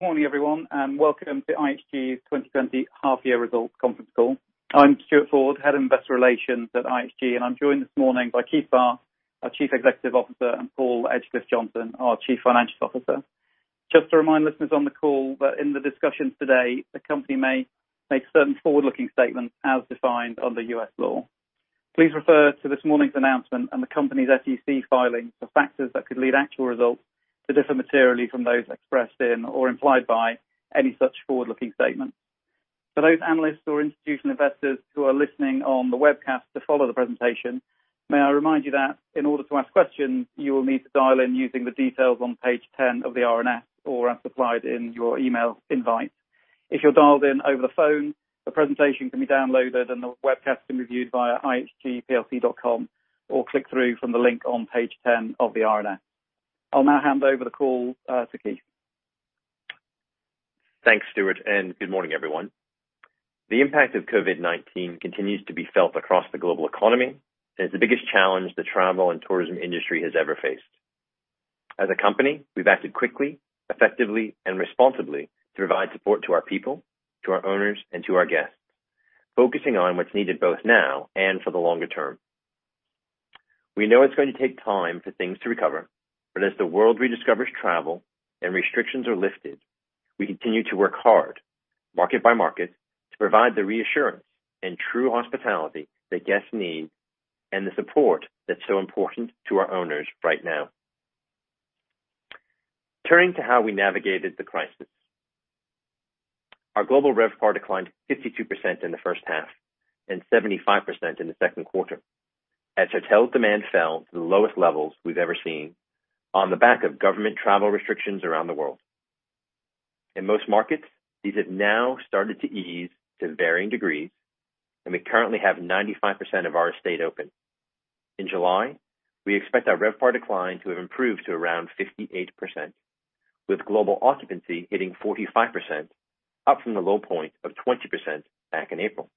Morning, everyone, and welcome to IHG's 2020 Half Year Results Conference Call. I'm Stuart Ford, Head of Investor Relations at IHG, and I'm joined this morning by Keith Barr, our Chief Executive Officer, and Paul Edgecliffe-Johnson, our Chief Financial Officer. Just to remind listeners on the call that in the discussions today, the company may make certain forward-looking statements as defined under U.S. law. Please refer to this morning's announcement and the company's SEC filings for factors that could lead actual results to differ materially from those expressed in or implied by any such forward-looking statements. For those analysts or institutional investors who are listening on the webcast to follow the presentation, may I remind you that in order to ask questions, you will need to dial in using the details on page 10 of the RNS or as supplied in your email invite. If you're dialed in over the phone, the presentation can be downloaded and the webcast can be viewed via ihgplc.com, or click through from the link on page 10 of the RNS. I'll now hand over the call to Keith. Thanks, Stuart, and good morning, everyone. The impact of COVID-19 continues to be felt across the global economy, and it's the biggest challenge the travel and tourism industry has ever faced. As a company, we've acted quickly, effectively, and responsibly to provide support to our people, to our owners, and to our guests, focusing on what's needed both now and for the longer term. We know it's going to take time for things to recover, but as the world rediscovers travel and restrictions are lifted, we continue to work hard, market by market, to provide the reassurance and true hospitality that guests need, and the support that's so important to our owners right now. Turning to how we navigated the crisis. Our global RevPAR declined 52% in the first half, and 75% in the second quarter, as hotel demand fell to the lowest levels we've ever seen on the back of government travel restrictions around the world. In most markets, these have now started to ease to varying degrees, and we currently have 95% of our estate open. In July, we expect our RevPAR decline to have improved to around 58%, with global occupancy hitting 45%, up from the low point of 20% back in April.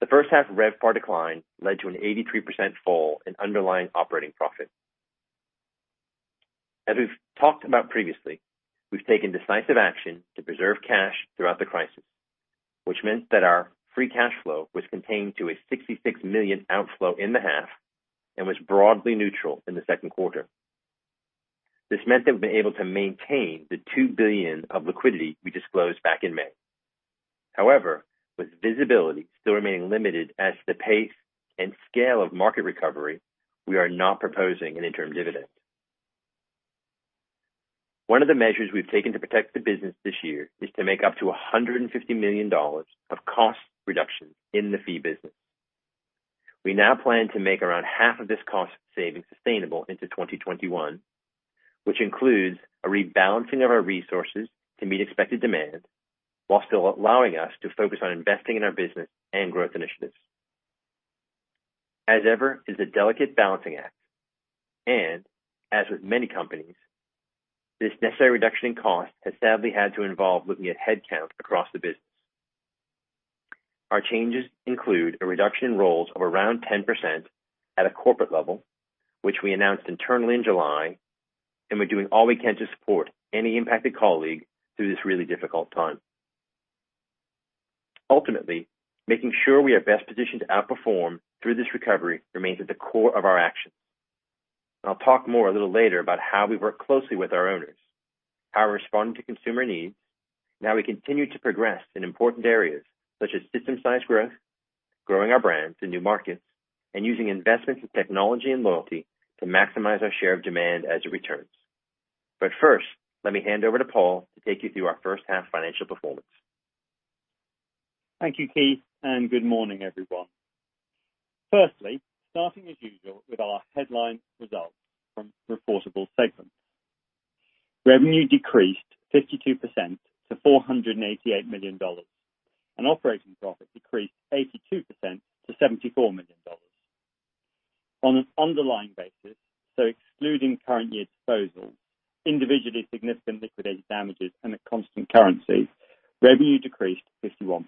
The first half RevPAR decline led to an 83% fall in underlying operating profit. As we've talked about previously, we've taken decisive action to preserve cash throughout the crisis, which meant that our free cash flow was contained to a $66 million outflow in the half and was broadly neutral in the second quarter. This meant that we've been able to maintain the $2 billion of liquidity we disclosed back in May. However, with visibility still remaining limited as to the pace and scale of market recovery, we are not proposing an interim dividend. One of the measures we've taken to protect the business this year is to make up to $150 million of cost reductions in the Fee Business. We now plan to make around half of this cost saving sustainable into 2021, which includes a rebalancing of our resources to meet expected demand, while still allowing us to focus on investing in our business and growth initiatives. As ever, it's a delicate balancing act, and as with many companies, this necessary reduction in cost has sadly had to involve looking at headcount across the business. Our changes include a reduction in roles of around 10% at a corporate level, which we announced internally in July, and we're doing all we can to support any impacted colleague through this really difficult time. Ultimately, making sure we are best positioned to outperform through this recovery remains at the core of our actions. I'll talk more a little later about how we work closely with our owners, how we're responding to consumer needs, and how we continue to progress in important areas such as system size growth, growing our brands in new markets, and using investments in technology and loyalty to maximize our share of demand as it returns. But first, let me hand over to Paul to take you through our first half financial performance. Thank you, Keith, and good morning, everyone. Firstly, starting as usual with our headline results from reportable segments. Revenue decreased 52% to $488 million, and operating profit decreased 82% to $74 million. On an underlying basis, so excluding current year disposals, individually significant liquidated damages, and at constant currency, revenue decreased 51%.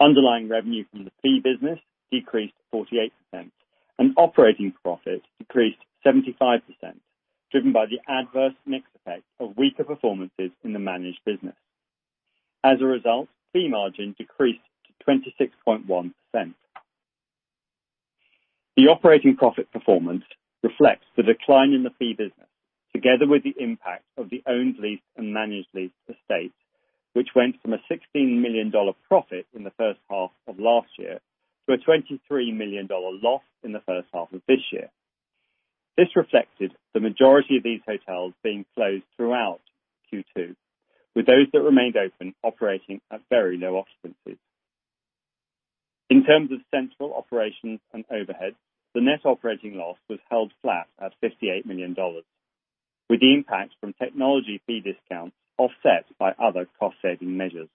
Underlying revenue from the fee business decreased 48%, and operating profit decreased 75%, driven by the adverse mix effect of weaker performances in the managed business. As a result, fee margin decreased to 26.1%. The operating profit performance reflects the decline in the fee business, together with the impact of the owned lease and managed lease estate, which went from a $16 million profit in the first half of last year to a $23 million loss in the first half of this year. This reflected the majority of these hotels being closed throughout Q2, with those that remained open operating at very low occupancies. In terms of central operations and overheads, the net operating loss was held flat at $58 million, with the impact from technology fee discounts offset by other cost-saving measures.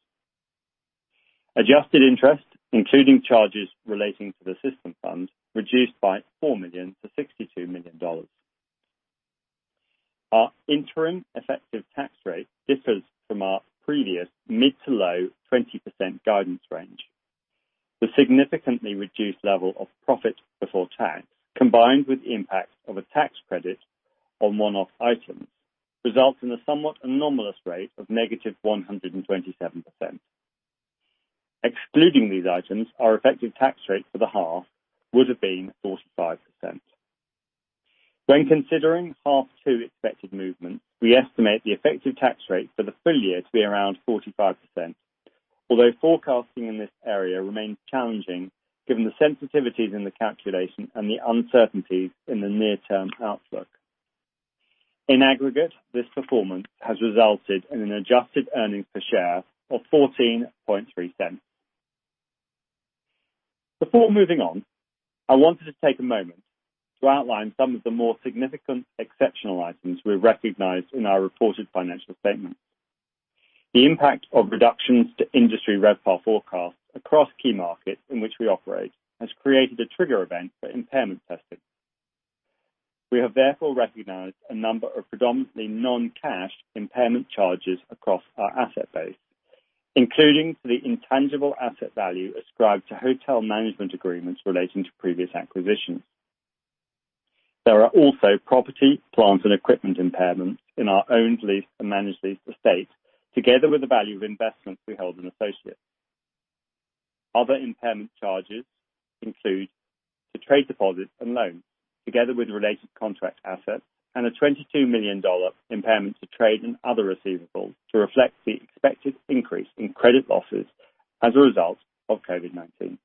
Adjusted interest, including charges relating to the system funds, reduced by $4 million to $62 million. Our interim effective tax rate differs from our previous mid- to low-20% guidance range... The significantly reduced level of profit before tax, combined with the impact of a tax credit on one-off items, results in a somewhat anomalous rate of negative 127%. Excluding these items, our effective tax rate for the half would have been 45%. When considering half two expected movement, we estimate the effective tax rate for the full-year to be around 45%, although forecasting in this area remains challenging, given the sensitivities in the calculation and the uncertainties in the near-term outlook. In aggregate, this performance has resulted in an adjusted earnings per share of $0.143. Before moving on, I wanted to take a moment to outline some of the more significant exceptional items we recognized in our reported financial statement. The impact of reductions to industry RevPAR forecasts across key markets in which we operate, has created a trigger event for impairment testing. We have therefore recognized a number of predominantly non-cash impairment charges across our asset base, including for the intangible asset value ascribed to hotel management agreements relating to previous acquisitions. There are also property, plant, and equipment impairments in our owned lease and managed lease estate, together with the value of investments we hold in associates. Other impairment charges include the trade deposits and loans, together with related contract assets and a $22 million impairment to trade and other receivables, to reflect the expected increase in credit losses as a result of COVID-19.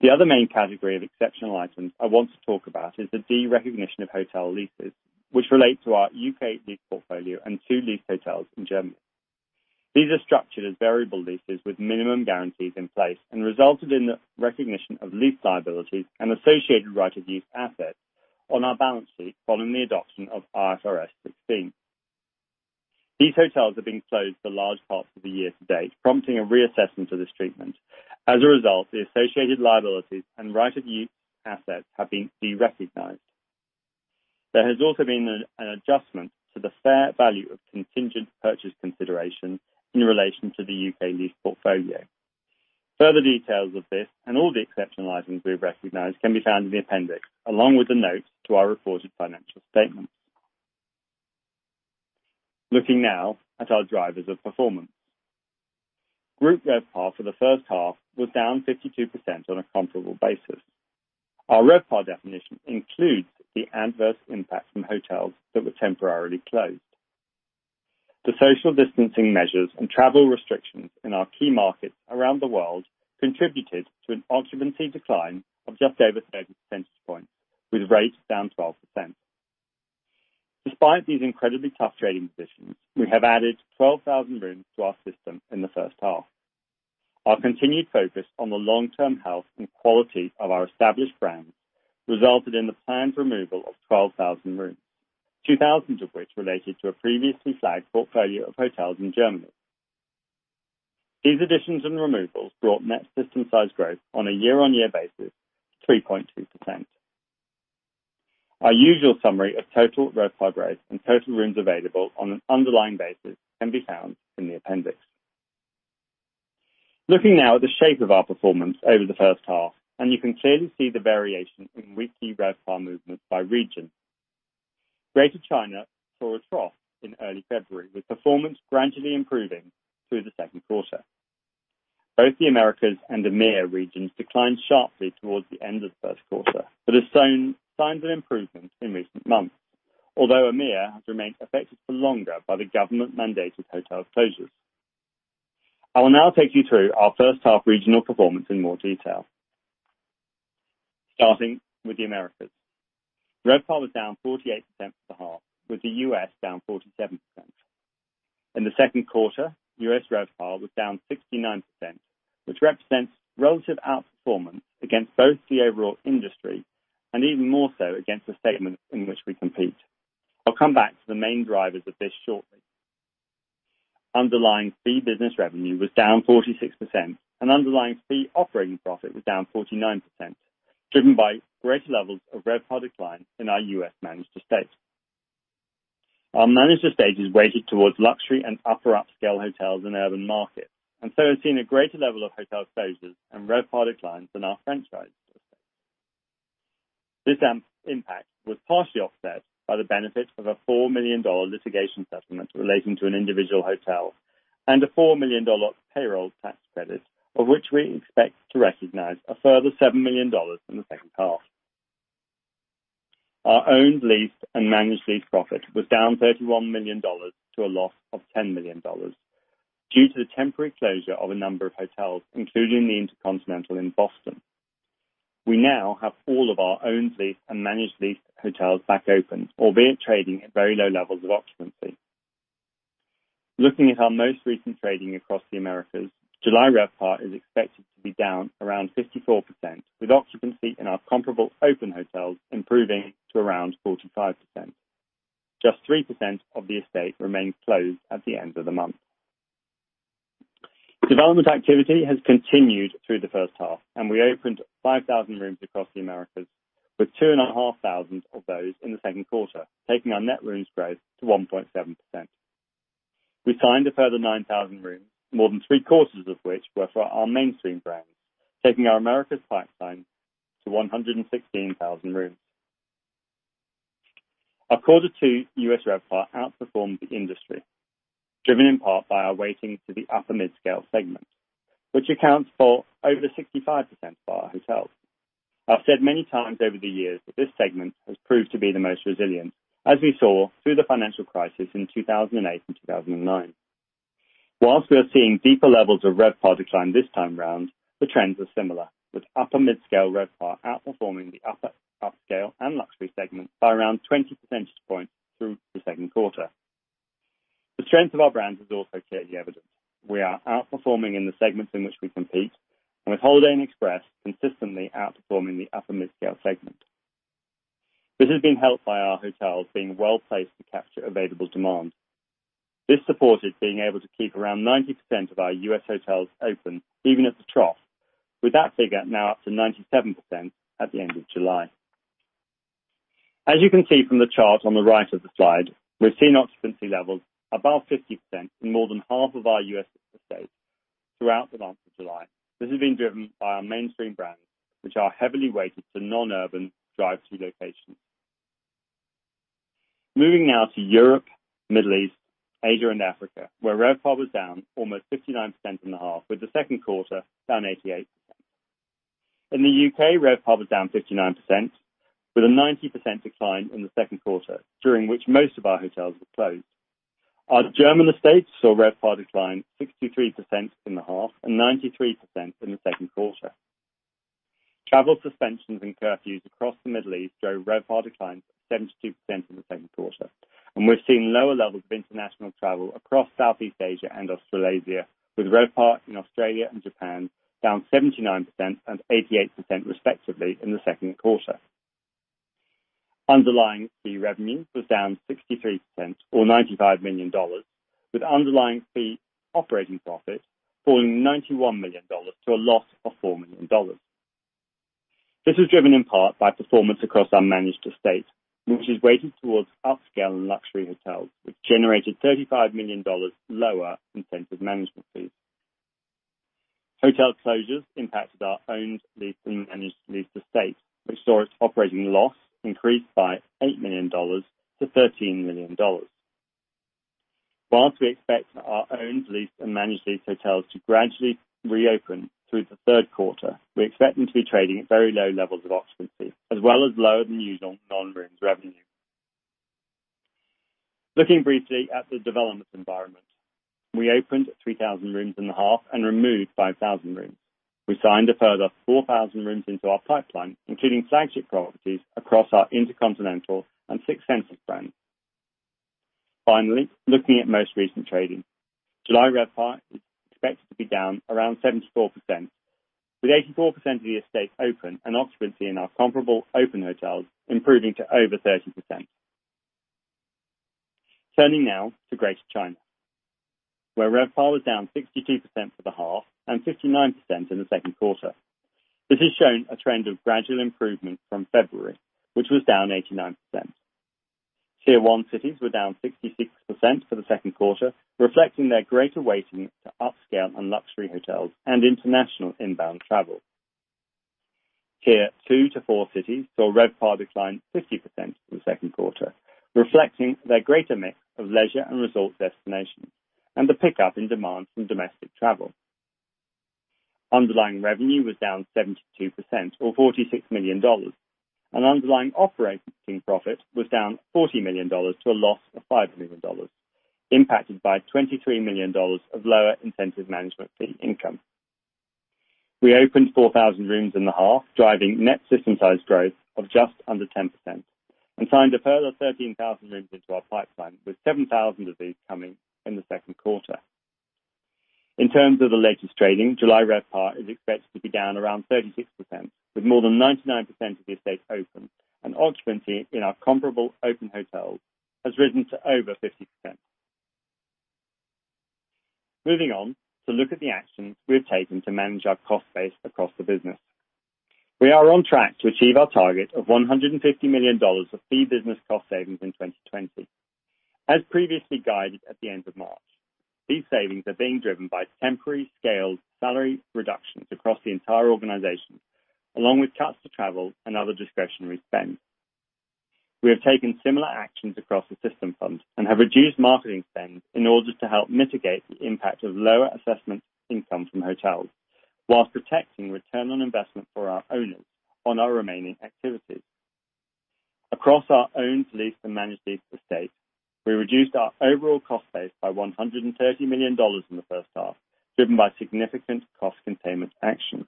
The other main category of exceptional items I want to talk about is the de-recognition of hotel leases, which relate to our UK lease portfolio and two lease hotels in Germany. These are structured as variable leases with minimum guarantees in place, and resulted in the recognition of lease liabilities and associated right of use assets on our balance sheet following the adoption of IFRS 16. These hotels have been closed for large parts of the year to date, prompting a reassessment of this treatment. As a result, the associated liabilities and right of use assets have been de-recognized. There has also been an adjustment to the fair value of contingent purchase consideration in relation to the U.K. lease portfolio. Further details of this, and all the exceptional items we've recognized, can be found in the appendix, along with the notes to our reported financial statements. Looking now at our drivers of performance. Group RevPAR for the first half was down 52% on a comparable basis. Our RevPAR definition includes the adverse impact from hotels that were temporarily closed. The social distancing measures and travel restrictions in our key markets around the world, contributed to an occupancy decline of just over 30% points, with rates down 12%. Despite these incredibly tough trading positions, we have added 12,000 rooms to our system in the first half. Our continued focus on the long-term health and quality of our established brands resulted in the planned removal of 12,000 rooms, 2,000 of which related to a previously flagged portfolio of hotels in Germany. These additions and removals brought net system size growth on a year-on-year basis 3.2%. Our usual summary of total RevPAR rates and total rooms available on an underlying basis can be found in the appendix. Looking now at the shape of our performance over the first half, and you can clearly see the variation in weekly RevPAR movements by region. Greater China saw a trough in early February, with performance gradually improving through the second quarter. Both the Americas and EMEA regions declined sharply towards the end of the first quarter, but have shown signs of improvement in recent months, although EMEA has remained affected for longer by the government-mandated hotel closures. I will now take you through our first half regional performance in more detail. Starting with the Americas. RevPAR was down 48% for the half, with the U.S. down 47%. In the second quarter, U.S. RevPAR was down 69%, which represents relative outperformance against both the overall industry and even more so against the segment in which we compete. I'll come back to the main drivers of this shortly. Underlying fee business revenue was down 46%, and underlying fee operating profit was down 49%, driven by greater levels of RevPAR decline in our U.S. managed estate. Our managed estate is weighted towards luxury and Upper Upscale hotels in urban markets, and so has seen a greater level of hotel closures and RevPAR declines than our franchise estate. This impact was partially offset by the benefits of a $4 million litigation settlement relating to an individual hotel, and a $4 million payroll tax credit, of which we expect to recognize a further $7 million in the second half. Our owned lease and managed lease profit was down $31 million to a loss of $10 million, due to the temporary closure of a number of hotels, including the InterContinental in Boston. We now have all of our owned lease and managed lease hotels back open, albeit trading at very low levels of occupancy. Looking at our most recent trading across the Americas, July RevPAR is expected to be down around 54%, with occupancy in our comparable open hotels improving to around 45%. Just 3% of the estate remains closed at the end of the month. Development activity has continued through the first half, and we opened 5,000 rooms across the Americas with 2,500 of those in the second quarter, taking our net rooms growth to 1.7%.... We signed a further 9,000 rooms, more than three quarters of which were for our mainstream brands, taking our Americas pipeline to 116,000 rooms. Our quarter two U.S. RevPAR outperformed the industry, driven in part by our weighting to the Upper Midscale segment, which accounts for over 65% of our hotels. I've said many times over the years, that this segment has proved to be the most resilient, as we saw through the financial crisis in 2008 and 2009. While we are seeing deeper levels of RevPAR decline this time round, the trends are similar, with Upper Midscale RevPAR outperforming the Upper Upscale and luxury segment by around 20% points through the second quarter. The strength of our brands is also clearly evident. We are outperforming in the segments in which we compete, and with Holiday Inn Express consistently outperforming the Upper Midscale segment. This has been helped by our hotels being well-placed to capture available demand. This supported being able to keep around 90% of our U.S. hotels open, even at the trough, with that figure now up to 97% at the end of July. As you can see from the chart on the right of the slide, we're seeing occupancy levels above 50% in more than half of our U.S. estates throughout the month of July. This has been driven by our mainstream brands, which are heavily weighted to non-urban, drive-to locations. Moving now to Europe, Middle East, Asia, and Africa, where RevPAR was down almost 59% in the half, with the second quarter down 88%. In the U.K., RevPAR was down 59%, with a 90% decline in the second quarter, during which most of our hotels were closed. Our German estates saw RevPAR decline 63% in the half and 93% in the second quarter. Travel suspensions and curfews across the Middle East drove RevPAR declines of 72% in the second quarter, and we're seeing lower levels of international travel across Southeast Asia and Australasia, with RevPAR in Australia and Japan down 79% and 88% respectively in the second quarter. Underlying fee revenue was down 63%, or $95 million, with underlying fee operating profit falling $91 million to a loss of $4 million. This was driven in part by performance across our managed estate, which is weighted towards upscale and luxury hotels, which generated $35 million lower in incentive management fees. Hotel closures impacted our owned, leased, and managed leased estate, which saw its operating loss increase by $8 million to $13 million. Whilst we expect our owned, leased, and managed lease hotels to gradually reopen through the third quarter, we expect them to be trading at very low levels of occupancy, as well as lower than usual non-rooms revenue. Looking briefly at the development environment, we opened 3,000 rooms in the half and removed 5,000 rooms. We signed a further 4,000 rooms into our pipeline, including flagship properties across our InterContinental and Six Senses brands. Finally, looking at most recent trading, July RevPAR is expected to be down around 74%, with 84% of the estate open and occupancy in our comparable open hotels improving to over 30%. Turning now to Greater China, where RevPAR was down 62% for the half and 59% in the second quarter. This has shown a trend of gradual improvement from February, which was down 89%. Tier 1 cities were down 66% for the second quarter, reflecting their greater weighting to upscale and luxury hotels and international inbound travel. Tier 2 to 4 cities saw RevPAR decline 50% in the second quarter, reflecting their greater mix of leisure and resort destinations, and the pickup in demand from domestic travel. Underlying revenue was down 72%, or $46 million, and underlying operating profit was down $40 million to a loss of $5 million, impacted by $23 million of lower incentive management fee income. We opened 4,000 rooms in the half, driving net system-size growth of just under 10%, and signed a further 13,000 rooms into our pipeline, with 7,000 of these coming in the second quarter. In terms of the latest trading, July RevPAR is expected to be down around 36%, with more than 99% of the estate open, and occupancy in our comparable open hotels has risen to over 50%. Moving on to look at the actions we have taken to manage our cost base across the business. We are on track to achieve our target of $150 million of fee business cost savings in 2020. As previously guided at the end of March, these savings are being driven by temporary scaled salary reductions across the entire organization, along with cuts to travel and other discretionary spend. We have taken similar actions across the system funds and have reduced marketing spend in order to help mitigate the impact of lower assessment income from hotels, while protecting return on investment for our owners on our remaining activities. Across our owned, leased, and managed leased estate, we reduced our overall cost base by $130 million in the first half, driven by significant cost containment actions.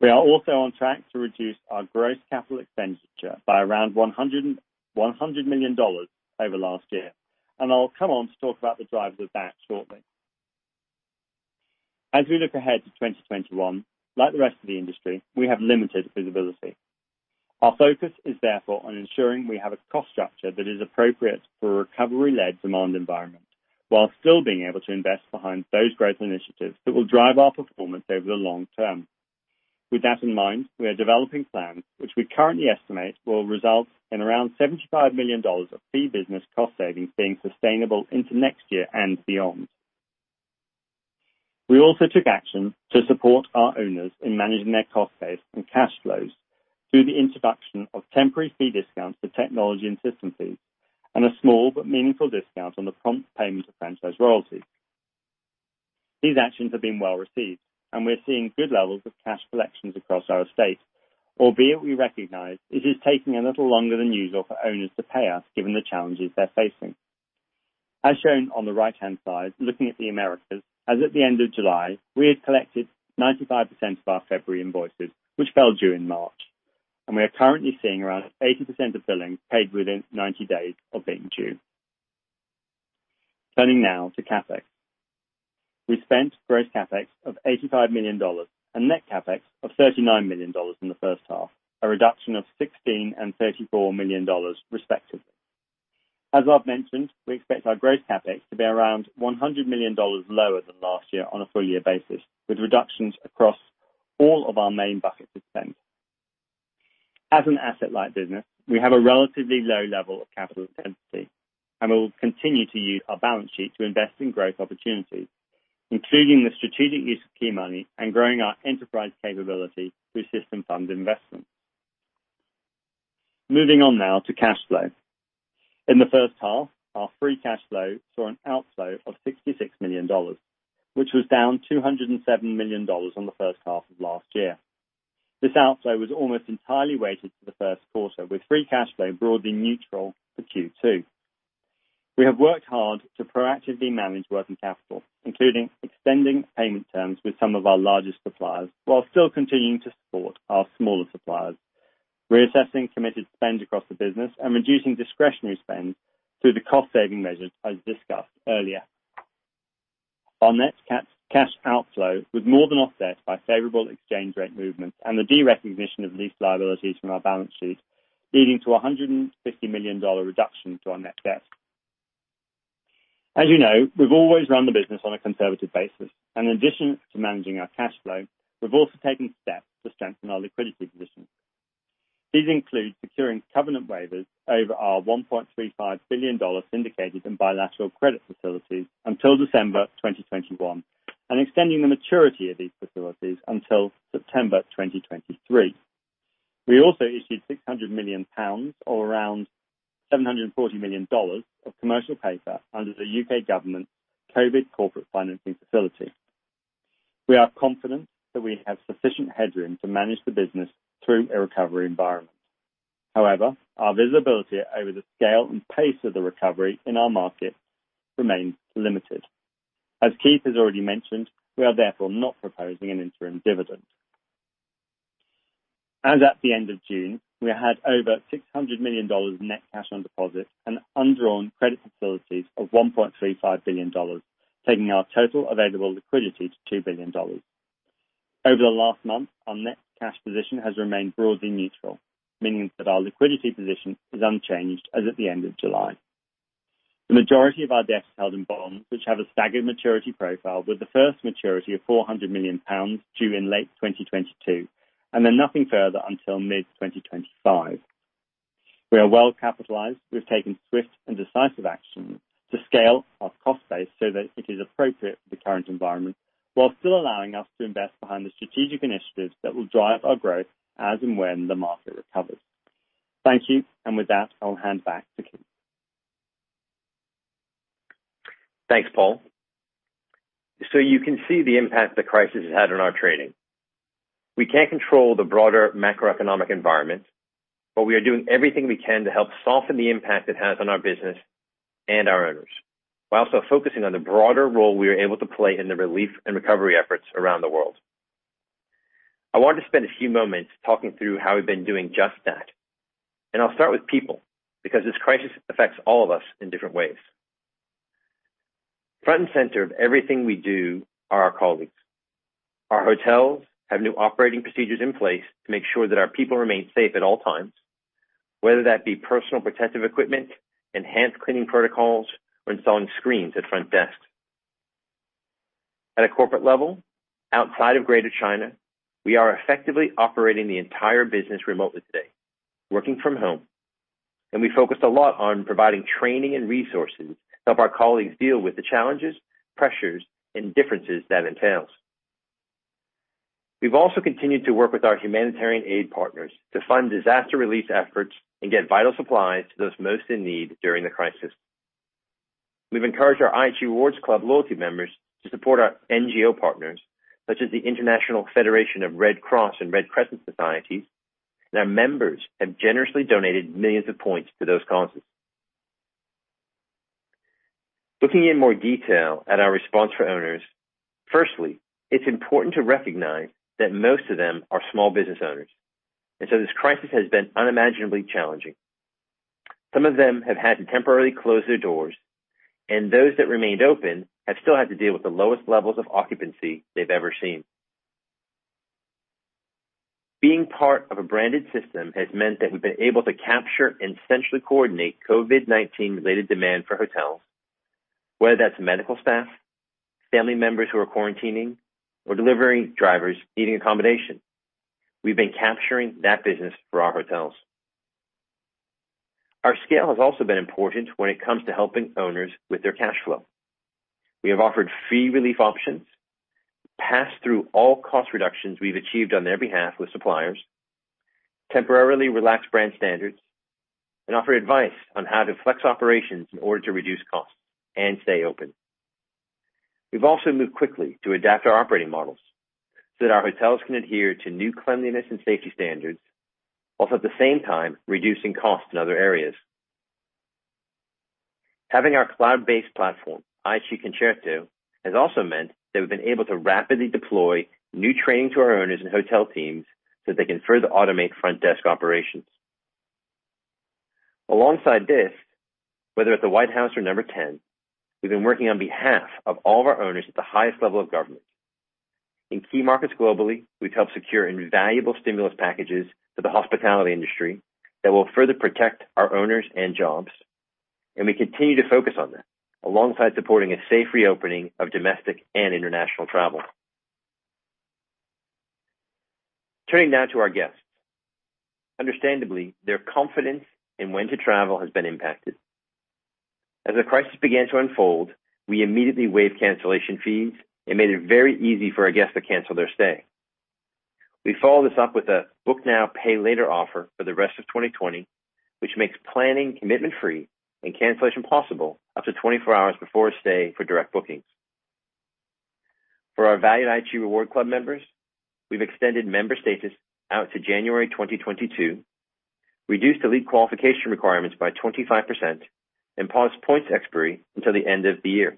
We are also on track to reduce our gross capital expenditure by around $100 million over last year, and I'll come on to talk about the drivers of that shortly. As we look ahead to 2021, like the rest of the industry, we have limited visibility. Our focus is therefore on ensuring we have a cost structure that is appropriate for a recovery-led demand environment, while still being able to invest behind those growth initiatives that will drive our performance over the long term.... With that in mind, we are developing plans which we currently estimate will result in around $75 million of fee business cost savings being sustainable into next year and beyond. We also took action to support our owners in managing their cost base and cash flows through the introduction of temporary fee discounts for technology and system fees, and a small but meaningful discount on the prompt payment of franchise royalties. These actions have been well received, and we're seeing good levels of cash collections across our estate, albeit we recognize it is taking a little longer than usual for owners to pay us, given the challenges they're facing. As shown on the right-hand side, looking at the Americas, as at the end of July, we had collected 95% of our February invoices, which fell due in March, and we are currently seeing around 80% of billings paid within 90 days of being due. Turning now to CapEx. We spent gross CapEx of $85 million and net CapEx of $39 million in the first half, a reduction of $16 million and $34 million, respectively. As I've mentioned, we expect our gross CapEx to be around $100 million lower than last year on a full-year basis, with reductions across all of our main buckets of spend. As an asset-light business, we have a relatively low level of capital intensity, and we will continue to use our balance sheet to invest in growth opportunities, including the strategic use of Key Money and growing our enterprise capability through System Fund investment. Moving on now to cash flow. In the first half, our Free Cash Flow saw an outflow of $66 million, which was down $207 million on the first half of last year. This outflow was almost entirely weighted to the first quarter, with Free Cash Flow broadly neutral for Q2. We have worked hard to proactively manage working capital, including extending payment terms with some of our largest suppliers, while still continuing to support our smaller suppliers. Reassessing committed spend across the business and reducing discretionary spend through the cost-saving measures, as discussed earlier. Our net cash outflow was more than offset by favorable exchange rate movements and the derecognition of lease liabilities from our balance sheet, leading to a $150 million reduction to our net debt. As you know, we've always run the business on a conservative basis, and in addition to managing our cash flow, we've also taken steps to strengthen our liquidity position. These include securing covenant waivers over our $1.35 billion syndicated and bilateral credit facilities until December 2021, and extending the maturity of these facilities until September 2023. We also issued 600 million pounds, or around $740 million of commercial paper under the U.K. government Covid Corporate Financing Facility. We are confident that we have sufficient headroom to manage the business through a recovery environment. However, our visibility over the scale and pace of the recovery in our market remains limited. As Keith has already mentioned, we are therefore not proposing an interim dividend. As at the end of June, we had over $600 million of net cash on deposit and undrawn credit facilities of $1.35 billion, taking our total available liquidity to $2 billion. Over the last month, our net cash position has remained broadly neutral, meaning that our liquidity position is unchanged as at the end of July. The majority of our debt is held in bonds, which have a staggered maturity profile, with the first maturity of 400 million pounds due in late 2022, and then nothing further until mid-2025. We are well capitalized. We've taken swift and decisive action to scale our cost base so that it is appropriate for the current environment, while still allowing us to invest behind the strategic initiatives that will drive our growth as and when the market recovers. Thank you, and with that, I'll hand back to Keith. Thanks, Paul. So you can see the impact the crisis has had on our trading. We can't control the broader macroeconomic environment, but we are doing everything we can to help soften the impact it has on our business and our owners, while also focusing on the broader role we are able to play in the relief and recovery efforts around the world. I want to spend a few moments talking through how we've been doing just that, and I'll start with people, because this crisis affects all of us in different ways. Front and center of everything we do are our colleagues. Our hotels have new operating procedures in place to make sure that our people remain safe at all times, whether that be personal protective equipment, enhanced cleaning protocols, or installing screens at front desks. At a corporate level, outside of Greater China, we are effectively operating the entire business remotely today, working from home, and we focused a lot on providing training and resources to help our colleagues deal with the challenges, pressures, and differences that entails. We've also continued to work with our humanitarian aid partners to fund disaster relief efforts and get vital supplies to those most in need during the crisis. We've encouraged our IHG Rewards Club loyalty members to support our NGO partners, such as the International Federation of Red Cross and Red Crescent Societies, and our members have generously donated millions of points to those causes. Looking in more detail at our response for owners, firstly, it's important to recognize that most of them are small business owners, and so this crisis has been unimaginably challenging. Some of them have had to temporarily close their doors, and those that remained open have still had to deal with the lowest levels of occupancy they've ever seen. Being part of a branded system has meant that we've been able to capture and centrally coordinate COVID-19 related demand for hotels.... Whether that's medical staff, family members who are quarantining, or delivery drivers needing accommodation, we've been capturing that business for our hotels. Our scale has also been important when it comes to helping owners with their cash flow. We have offered fee relief options, passed through all cost reductions we've achieved on their behalf with suppliers, temporarily relaxed brand standards, and offered advice on how to flex operations in order to reduce costs and stay open. We've also moved quickly to adapt our operating models so that our hotels can adhere to new cleanliness and safety standards, while at the same time, reducing costs in other areas. Having our cloud-based platform, IHG Concerto, has also meant that we've been able to rapidly deploy new training to our owners and hotel teams so they can further automate front desk operations. Alongside this, whether at the White House or Number Ten, we've been working on behalf of all of our owners at the highest level of government. In key markets globally, we've helped secure invaluable stimulus packages to the hospitality industry that will further protect our owners and jobs, and we continue to focus on this, alongside supporting a safe reopening of domestic and international travel. Turning now to our guests. Understandably, their confidence in when to travel has been impacted. As the crisis began to unfold, we immediately waived cancellation fees and made it very easy for our guests to cancel their stay. We followed this up with a Book Now, Pay Later offer for the rest of 2020, which makes planning commitment-free and cancellation possible up to 24 hours before a stay for direct bookings. For our valued IHG Rewards Club members, we've extended member status out to January 2022, reduced elite qualification requirements by 25%, and paused points expiry until the end of the year.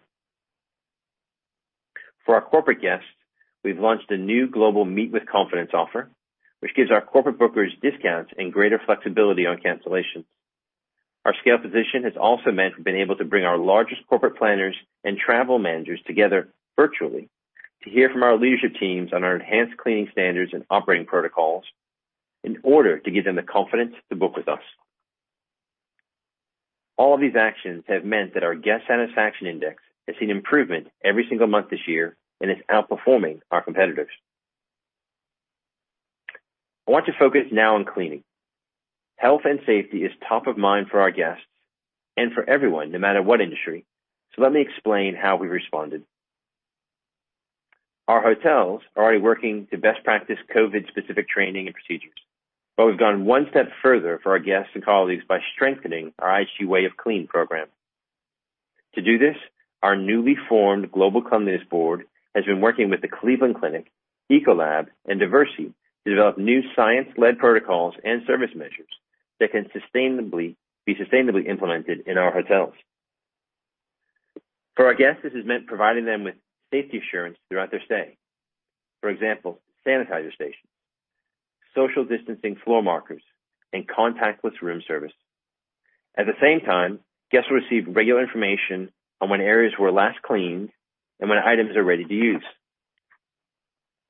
For our corporate guests, we've launched a new global Meet with Confidence offer, which gives our corporate bookers discounts and greater flexibility on cancellations. Our scale position has also meant we've been able to bring our largest corporate planners and travel managers together virtually, to hear from our leadership teams on our enhanced cleaning standards and operating protocols in order to give them the confidence to book with us. All of these actions have meant that our guest satisfaction index has seen improvement every single month this year and is outperforming our competitors. I want to focus now on cleaning. Health and safety is top of mind for our guests and for everyone, no matter what industry. Let me explain how we responded. Our hotels are already working to best practice COVID-specific training and procedures, but we've gone one step further for our guests and colleagues by strengthening our IHG Way of Clean program. To do this, our newly formed Global Cleanliness Board has been working with the Cleveland Clinic, Ecolab, and Diversey to develop new science-led protocols and service measures that can sustainably be implemented in our hotels. For our guests, this has meant providing them with safety assurance throughout their stay. For example, sanitizer stations, social distancing floor markers, and contactless room service. At the same time, guests receive regular information on when areas were last cleaned and when items are ready to use.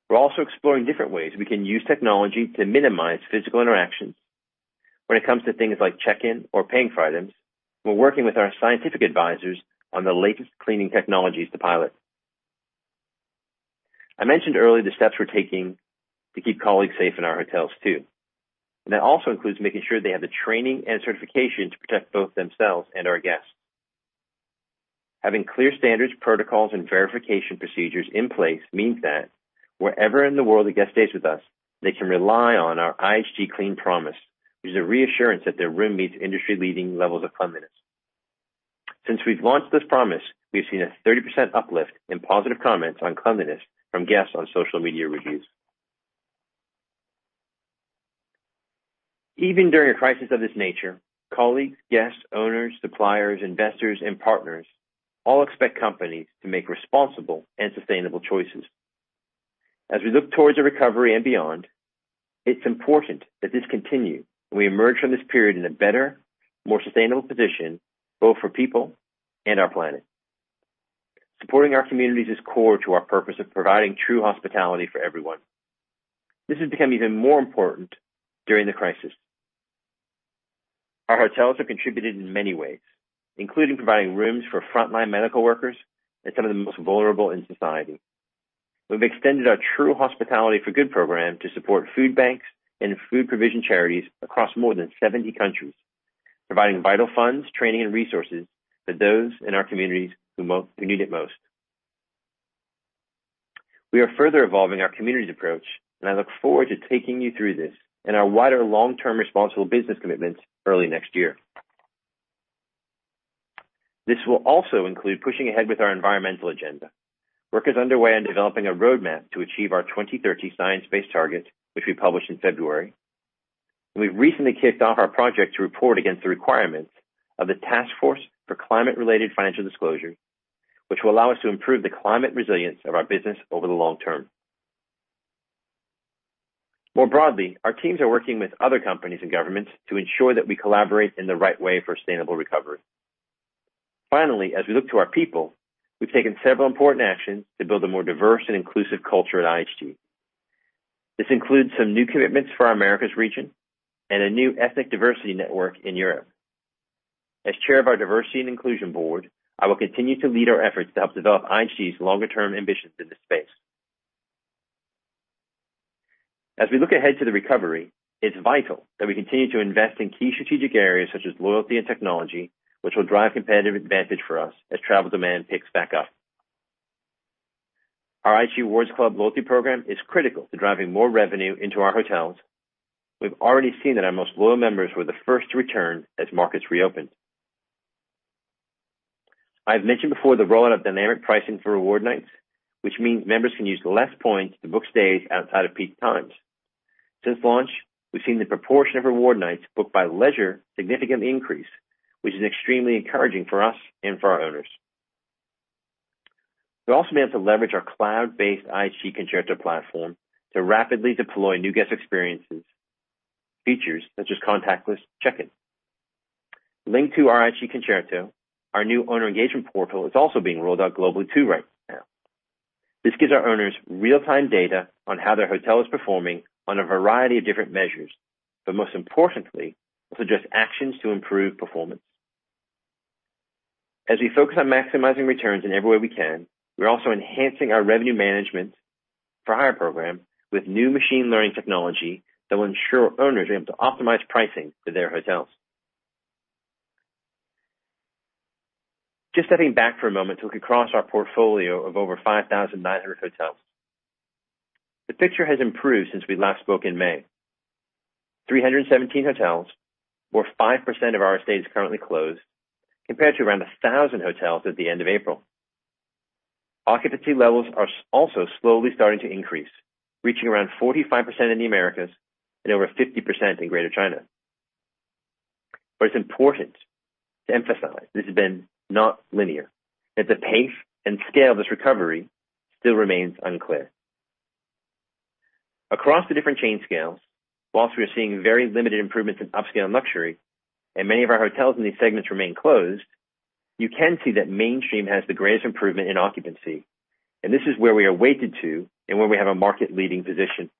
We're also exploring different ways we can use technology to minimize physical interactions when it comes to things like check-in or paying for items. We're working with our scientific advisors on the latest cleaning technologies to pilot. I mentioned earlier the steps we're taking to keep colleagues safe in our hotels, too, and that also includes making sure they have the training and certification to protect both themselves and our guests. Having clear standards, protocols, and verification procedures in place means that wherever in the world a guest stays with us, they can rely on our IHG Clean Promise, which is a reassurance that their room meets industry-leading levels of cleanliness. Since we've launched this promise, we've seen a 30% uplift in positive comments on cleanliness from guests on social media reviews. Even during a crisis of this nature, colleagues, guests, owners, suppliers, investors, and partners all expect companies to make responsible and sustainable choices. As we look towards the recovery and beyond, it's important that this continue, and we emerge from this period in a better, more sustainable position, both for people and our planet. Supporting our communities is core to our purpose of providing true hospitality for everyone. This has become even more important during the crisis. Our hotels have contributed in many ways, including providing rooms for frontline medical workers and some of the most vulnerable in society. We've extended our True Hospitality for Good program to support food banks and food provision charities across more than 70 countries, providing vital funds, training, and resources for those in our communities who need it most. We are further evolving our communities approach, and I look forward to taking you through this and our wider long-term responsible business commitments early next year. This will also include pushing ahead with our environmental agenda. Work is underway on developing a roadmap to achieve our 2030 science-based target, which we published in February. We've recently kicked off our project to report against the requirements of the Task Force on Climate-related Financial Disclosures, which will allow us to improve the climate resilience of our business over the long term. More broadly, our teams are working with other companies and governments to ensure that we collaborate in the right way for sustainable recovery. Finally, as we look to our people, we've taken several important actions to build a more diverse and inclusive culture at IHG.... This includes some new commitments for our Americas region and a new ethnic diversity network in Europe. As chair of our Diversity and Inclusion Board, I will continue to lead our efforts to help develop IHG's longer-term ambitions in this space. As we look ahead to the recovery, it's vital that we continue to invest in key strategic areas such as loyalty and technology, which will drive competitive advantage for us as travel demand picks back up. Our IHG Rewards Club loyalty program is critical to driving more revenue into our hotels. We've already seen that our most loyal members were the first to return as markets reopened. I've mentioned before the rollout of dynamic pricing for award nights, which means members can use less points to book stays outside of peak times. Since launch, we've seen the proportion of reward nights booked by leisure significantly increase, which is extremely encouraging for us and for our owners. We'll also be able to leverage our cloud-based IHG Concerto platform to rapidly deploy new guest experiences, features such as contactless check-in. Linked to our IHG Concerto, our new owner engagement portal is also being rolled out globally, too, right now. This gives our owners real-time data on how their hotel is performing on a variety of different measures, but most importantly, suggest actions to improve performance. As we focus on maximizing returns in every way we can, we're also enhancing our revenue management for our program with new machine learning technology that will ensure owners are able to optimize pricing for their hotels. Just stepping back for a moment to look across our portfolio of over 5,900 hotels. The picture has improved since we last spoke in May. 317 hotels, or 5% of our estate, is currently closed, compared to around 1,000 hotels at the end of April. Occupancy levels are also slowly starting to increase, reaching around 45% in the Americas and over 50% in Greater China. But it's important to emphasize this has been not linear, that the pace and scale of this recovery still remains unclear. Across the different chain scales, while we are seeing very limited improvements in upscale and luxury, and many of our hotels in these segments remain closed, you can see that mainstream has the greatest improvement in occupancy, and this is where we are weighted to and where we have a market-leading position.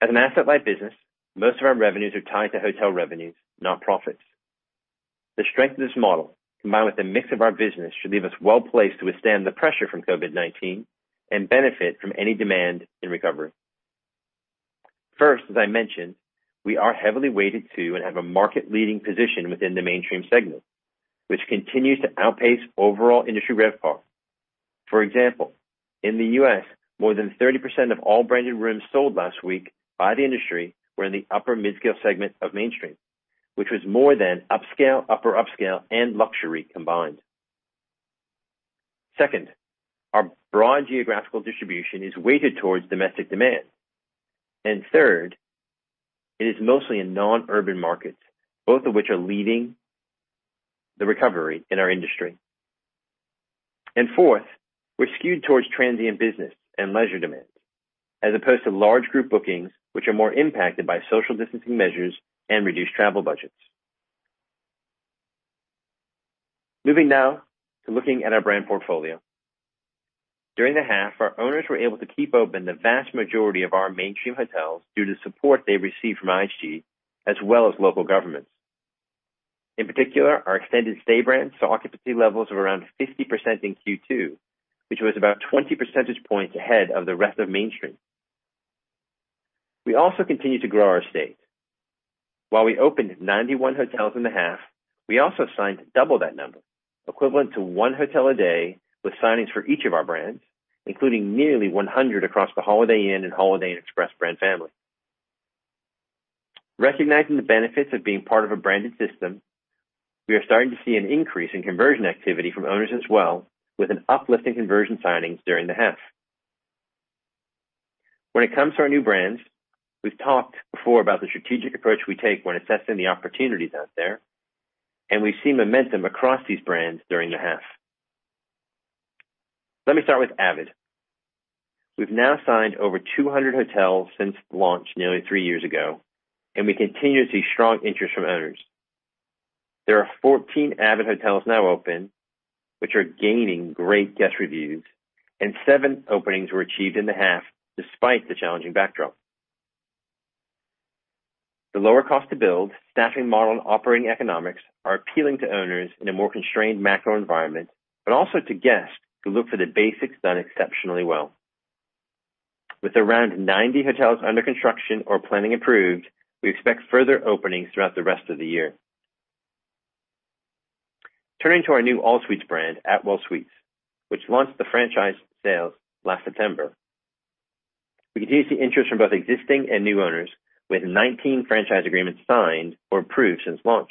As an asset-light business, most of our revenues are tied to hotel revenues, not profits. The strength of this model, combined with the mix of our business, should leave us well placed to withstand the pressure from COVID-19 and benefit from any demand in recovery. First, as I mentioned, we are heavily weighted to and have a market-leading position within the mainstream segment, which continues to outpace overall industry RevPAR. For example, in the U.S., more than 30% of all branded rooms sold last week by the industry were in the upper mid-scale segment of mainstream, which was more than upscale, Upper Upscale, and luxury combined. Second, our broad geographical distribution is weighted towards domestic demand. And third, it is mostly in non-urban markets, both of which are leading the recovery in our industry. And fourth, we're skewed towards transient business and leisure demands, as opposed to large group bookings, which are more impacted by social distancing measures and reduced travel budgets. Moving now to looking at our brand portfolio. During the half, our owners were able to keep open the vast majority of our mainstream hotels due to support they received from IHG as well as local governments. In particular, our extended stay brands saw occupancy levels of around 50% in Q2, which was about 20% points ahead of the rest of mainstream. We also continued to grow our estate. While we opened 91 hotels in the half, we also signed double that number, equivalent to one hotel a day, with signings for each of our brands, including nearly 100 across the Holiday Inn and Holiday Inn Express brand family. Recognizing the benefits of being part of a branded system, we are starting to see an increase in conversion activity from owners as well, with an uplift in conversion signings during the half. When it comes to our new brands, we've talked before about the strategic approach we take when assessing the opportunities out there, and we've seen momentum across these brands during the half. Let me start with avid. We've now signed over 200 hotels since launch nearly three years ago, and we continue to see strong interest from owners. There are 14 avid hotels now open, which are gaining great guest reviews, and seven openings were achieved in the half, despite the challenging backdrop. The lower cost to build, staffing model, and operating economics are appealing to owners in a more constrained macro environment, but also to guests who look for the basics done exceptionally well. With around 90 hotels under construction or planning approved, we expect further openings throughout the rest of the year. Turning to our new All Suites brand, Atwell Suites, which launched the franchise sales last September. We continue to see interest from both existing and new owners, with 19 franchise agreements signed or approved since launch.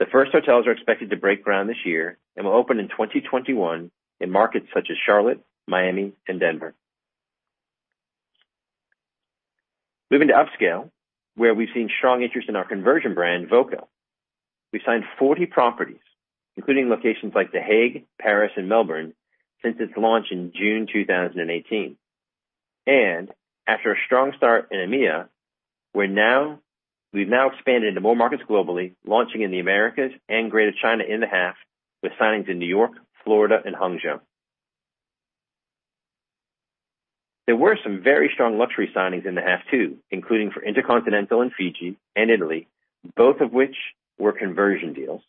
The first hotels are expected to break ground this year and will open in 2021 in markets such as Charlotte, Miami, and Denver. Moving to upscale, where we've seen strong interest in our conversion brand, voco. We've signed 40 properties, including locations like The Hague, Paris, and Melbourne since its launch in June 2018. And after a strong start in EMEA, we're now, we've now expanded into more markets globally, launching in the Americas and Greater China in the half, with signings in New York, Florida, and Hangzhou. There were some very strong luxury signings in the half, too, including for InterContinental in Fiji and Italy, both of which were conversion deals.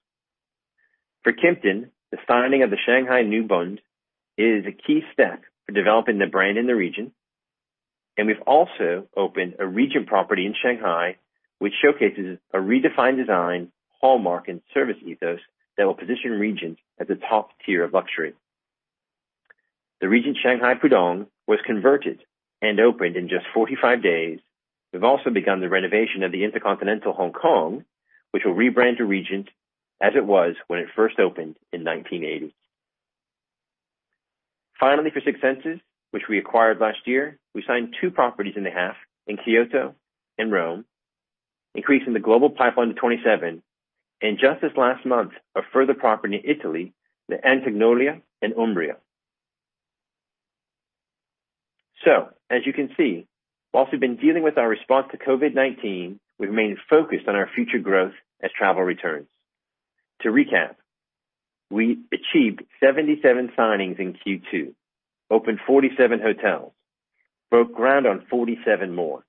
For Kimpton, the signing of the Shanghai New Bund is a key step for developing the brand in the region, and we've also opened a Regent property in Shanghai, which showcases a redefined design, hallmark, and service ethos that will position Regent at the top tier of luxury. The Regent Shanghai Pudong was converted and opened in just 45 days. We've also begun the renovation of the InterContinental Hong Kong, which will rebrand to Regent as it was when it first opened in 1980. Finally, for Six Senses, which we acquired last year, we signed two properties in the half, in Kyoto and Rome, increasing the global pipeline to 27, and just this last month, a further property in Italy, the Antognola in Umbria. As you can see, while we've been dealing with our response to COVID-19, we've remained focused on our future growth as travel returns. To recap, we achieved 77 signings in Q2, opened 47 hotels, broke ground on 47 more.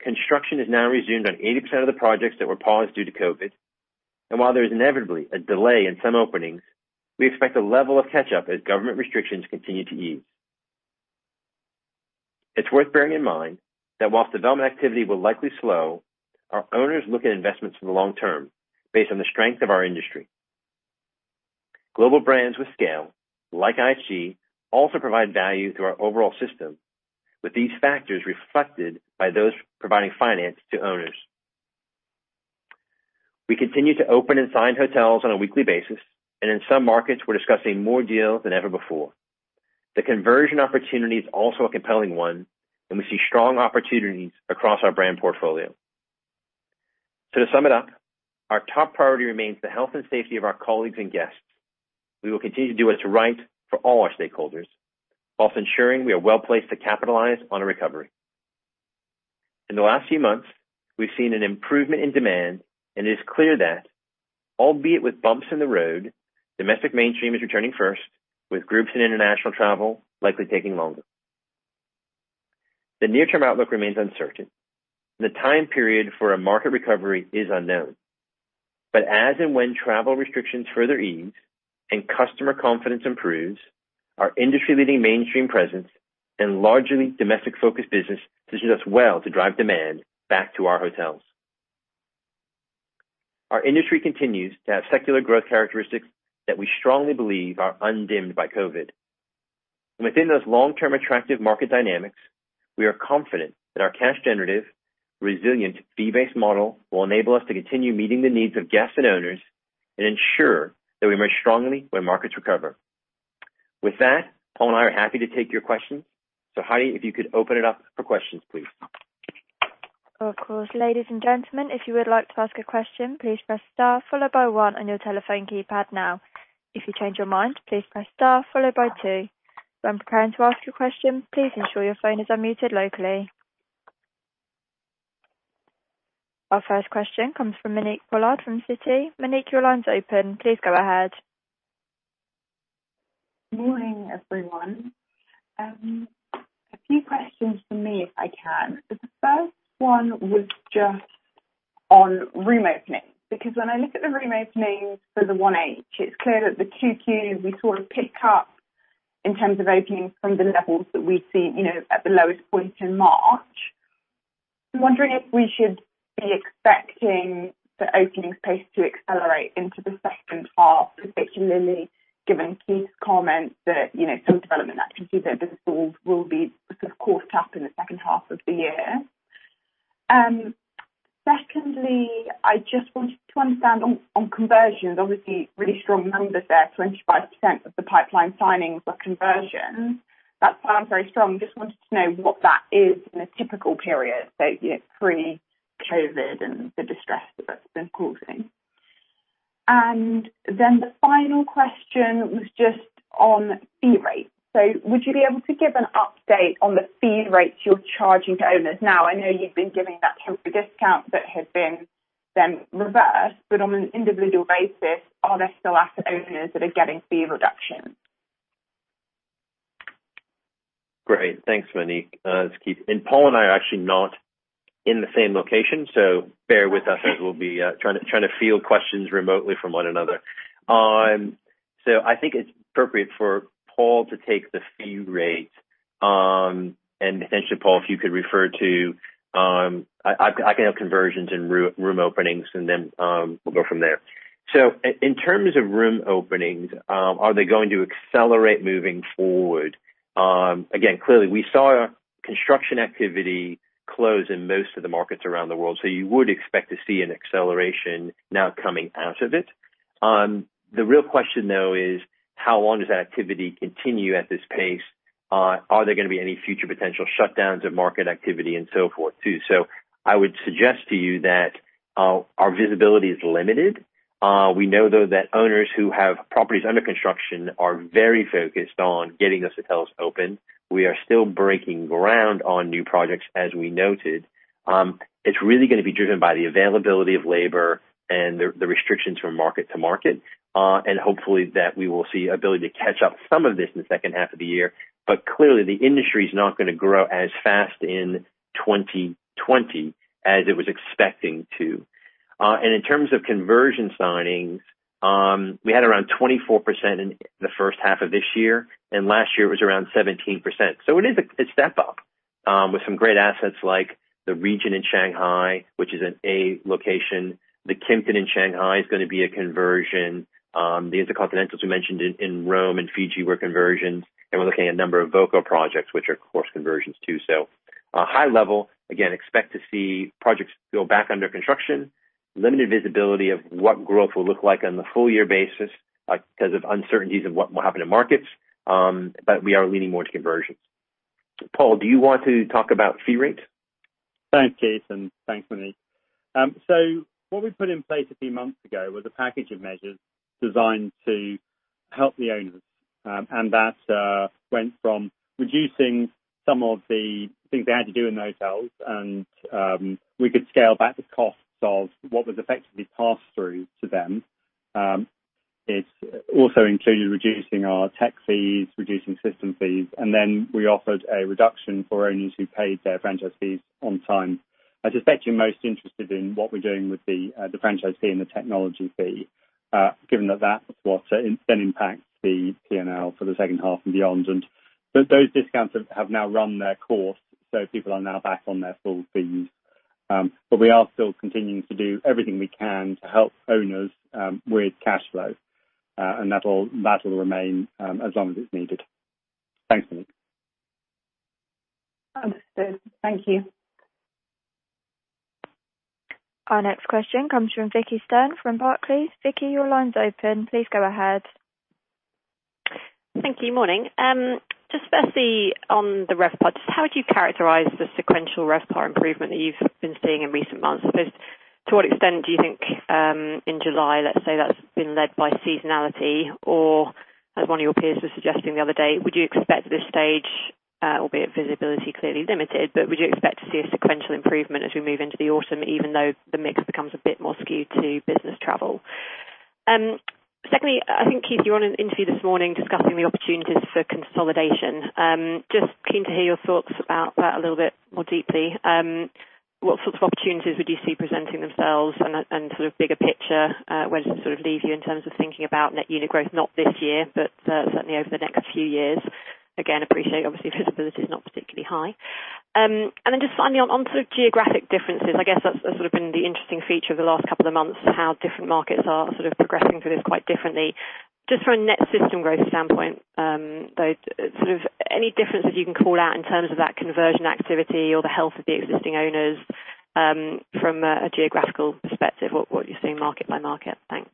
Construction has now resumed on 80% of the projects that were paused due to COVID. While there is inevitably a delay in some openings, we expect a level of catch up as government restrictions continue to ease. It's worth bearing in mind that while development activity will likely slow, our owners look at investments from the long term based on the strength of our industry. Global brands with scale, like IHG, also provide value to our overall system, with these factors reflected by those providing finance to owners. We continue to open and sign hotels on a weekly basis, and in some markets, we're discussing more deals than ever before. The conversion opportunity is also a compelling one, and we see strong opportunities across our brand portfolio. To sum it up, our top priority remains the health and safety of our colleagues and guests. We will continue to do what is right for all our stakeholders, while ensuring we are well placed to capitalize on a recovery. In the last few months, we've seen an improvement in demand, and it is clear that, albeit with bumps in the road, domestic mainstream is returning first, with groups and international travel likely taking longer. The near-term outlook remains uncertain. The time period for a market recovery is unknown. But as and when travel restrictions further ease and customer confidence improves, our industry-leading mainstream presence and largely domestic-focused business positions us well to drive demand back to our hotels. Our industry continues to have secular growth characteristics that we strongly believe are undimmed by COVID. Within those long-term attractive market dynamics, we are confident that our cash generative, resilient, fee-based model will enable us to continue meeting the needs of guests and owners and ensure that we emerge strongly when markets recover. With that, Paul and I are happy to take your questions. So, Heidi, if you could open it up for questions, please. Of course. Ladies and gentlemen, if you would like to ask a question, please press star followed by one on your telephone keypad now. If you change your mind, please press star followed by two. When preparing to ask your question, please ensure your phone is unmuted locally. Our first question comes from Monique Pollard from Citi. Monique, your line's open. Please go ahead. Morning, everyone. A few questions from me, if I can. The first one was just on room openings, because when I look at the room openings for the 1H, it's clear that the Q2, we sort of pick up in terms of openings from the levels that we've seen, you know, at the lowest point in March. I'm wondering if we should be expecting the opening pace to accelerate into the second half, particularly given Keith's comments that, you know, some development activity that this all will be, of course, caught up in the second half of the year. Secondly, I just wanted to understand on, on conversions, obviously, really strong numbers there, 25% of the pipeline signings are conversions. That sounds very strong. Just wanted to know what that is in a typical period, so, you know, pre-COVID and the distress that that's been causing. And then the final question was just on fee rates. So would you be able to give an update on the fee rates you're charging to owners now? I know you've been giving that temporary discount that has been then reversed, but on an individual basis, are there still asset owners that are getting fee reductions? Great. Thanks, Monique. It's Keith, and Paul and I are actually not in the same location, so bear with us as we'll be trying to field questions remotely from one another. So I think it's appropriate for Paul to take the fee rate. And potentially, Paul, if you could refer to... I can have conversions and room openings, and then we'll go from there. So in terms of room openings, are they going to accelerate moving forward? Again, clearly, we saw construction activity close in most of the markets around the world, so you would expect to see an acceleration now coming out of it. The real question, though, is: How long does that activity continue at this pace? Are there going to be any future potential shutdowns of market activity and so forth, too? So I would suggest to you that, our visibility is limited. We know, though, that owners who have properties under construction are very focused on getting those hotels open. We are still breaking ground on new projects, as we noted. It's really gonna be driven by the availability of labor and the, the restrictions from market to market, and hopefully that we will see ability to catch up some of this in the second half of the year. But clearly, the industry is not gonna grow as fast in 2020 as it was expecting to. And in terms of conversion signings, we had around 24% in the first half of this year, and last year it was around 17%. So it is a, a step up, with some great assets like the Regent in Shanghai, which is an A location. The Kimpton in Shanghai is gonna be a conversion. The InterContinentals we mentioned in Rome and Fiji were conversions, and we're looking at a number of voco projects, which are of course conversions, too. So, high level, again, expect to see projects go back under construction, limited visibility of what growth will look like on the full-year basis, because of uncertainties of what will happen in markets, but we are leaning more to conversions. Paul, do you want to talk about fee rates? Thanks, Keith, and thanks, Monique. So what we put in place a few months ago was a package of measures designed to help the owners, and that went from reducing some of the things they had to do in the hotels and we could scale back the costs of what was effectively passed through to them. It also included reducing our tech fees, reducing system fees, and then we offered a reduction for owners who paid their franchise fees on time. I suspect you're most interested in what we're doing with the franchise fee and the technology fee, given that that is what then impacts the P&L for the second half and beyond. But those discounts have now run their course, so people are now back on their full fees. But we are still continuing to do everything we can to help owners with cash flow, and that'll remain as long as it's needed. Thanks, Monique. Understood. Thank you. Our next question comes from Vicki Stern from Barclays. Vicki, your line's open. Please go ahead. Thank you. Morning. Just firstly, on the RevPAR, just how would you characterize the sequential RevPAR improvement that you've been seeing in recent months? I guess, to what extent do you think, in July, let's say, that's been led by seasonality, or as one of your peers was suggesting the other day, would you expect at this stage, albeit visibility clearly limited, but would you expect to see a sequential improvement as we move into the autumn, even though the mix becomes a bit more skewed to business travel? Secondly, I think, Keith, you were on an interview this morning discussing the opportunities for consolidation. Just keen to hear your thoughts about that a little bit more deeply. What sorts of opportunities would you see presenting themselves and, and sort of bigger picture, where does it sort of leave you in terms of thinking about net unit growth, not this year, but, certainly over the next few years? Again, appreciate, obviously, visibility is not particularly high. And then just finally, on, on sort of geographic differences, I guess that's, sort of been the interesting feature of the last couple of months, how different markets are sort of progressing through this quite differently. Just from a net system growth standpoint, though, sort of any differences you can call out in terms of that conversion activity or the health of the existing owners, from a, a geographical perspective, what, what are you seeing market by market? Thanks.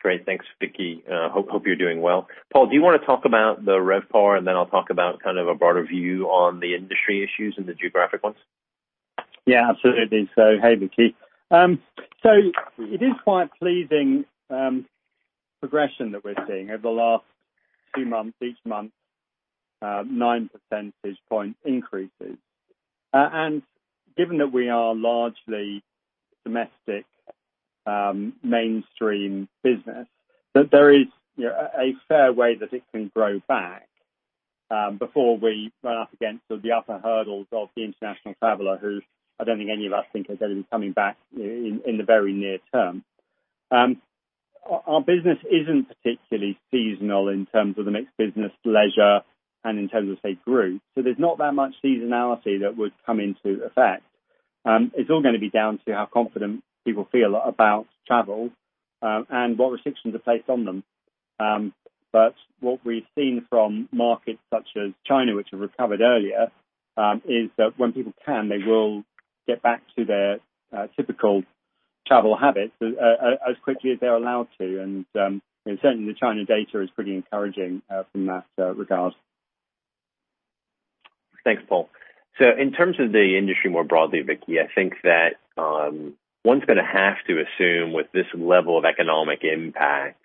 Great. Thanks, Vicki. Hope you're doing well. Paul, do you wanna talk about the RevPAR, and then I'll talk about kind of a broader view on the industry issues and the geographic ones? Yeah, absolutely. So, hey, Vicki. So it is quite pleasing progression that we're seeing over the last two months, each month 9% point increases. And given that we are largely domestic mainstream business, that there is, you know, a fair way that it can grow back before we run up against the upper hurdles of the international traveler, who I don't think any of us think are going to be coming back in the very near term. Our business isn't particularly seasonal in terms of the mixed business, leisure and in terms of say, group, so there's not that much seasonality that would come into effect. It's all gonna be down to how confident people feel about travel and what restrictions are placed on them. But what we've seen from markets such as China, which have recovered earlier, is that when people can, they will get back to their typical travel habits, as quickly as they're allowed to, and and certainly the China data is pretty encouraging, from that regard. Thanks, Paul. So in terms of the industry more broadly, Vicki, I think that one's gonna have to assume with this level of economic impact,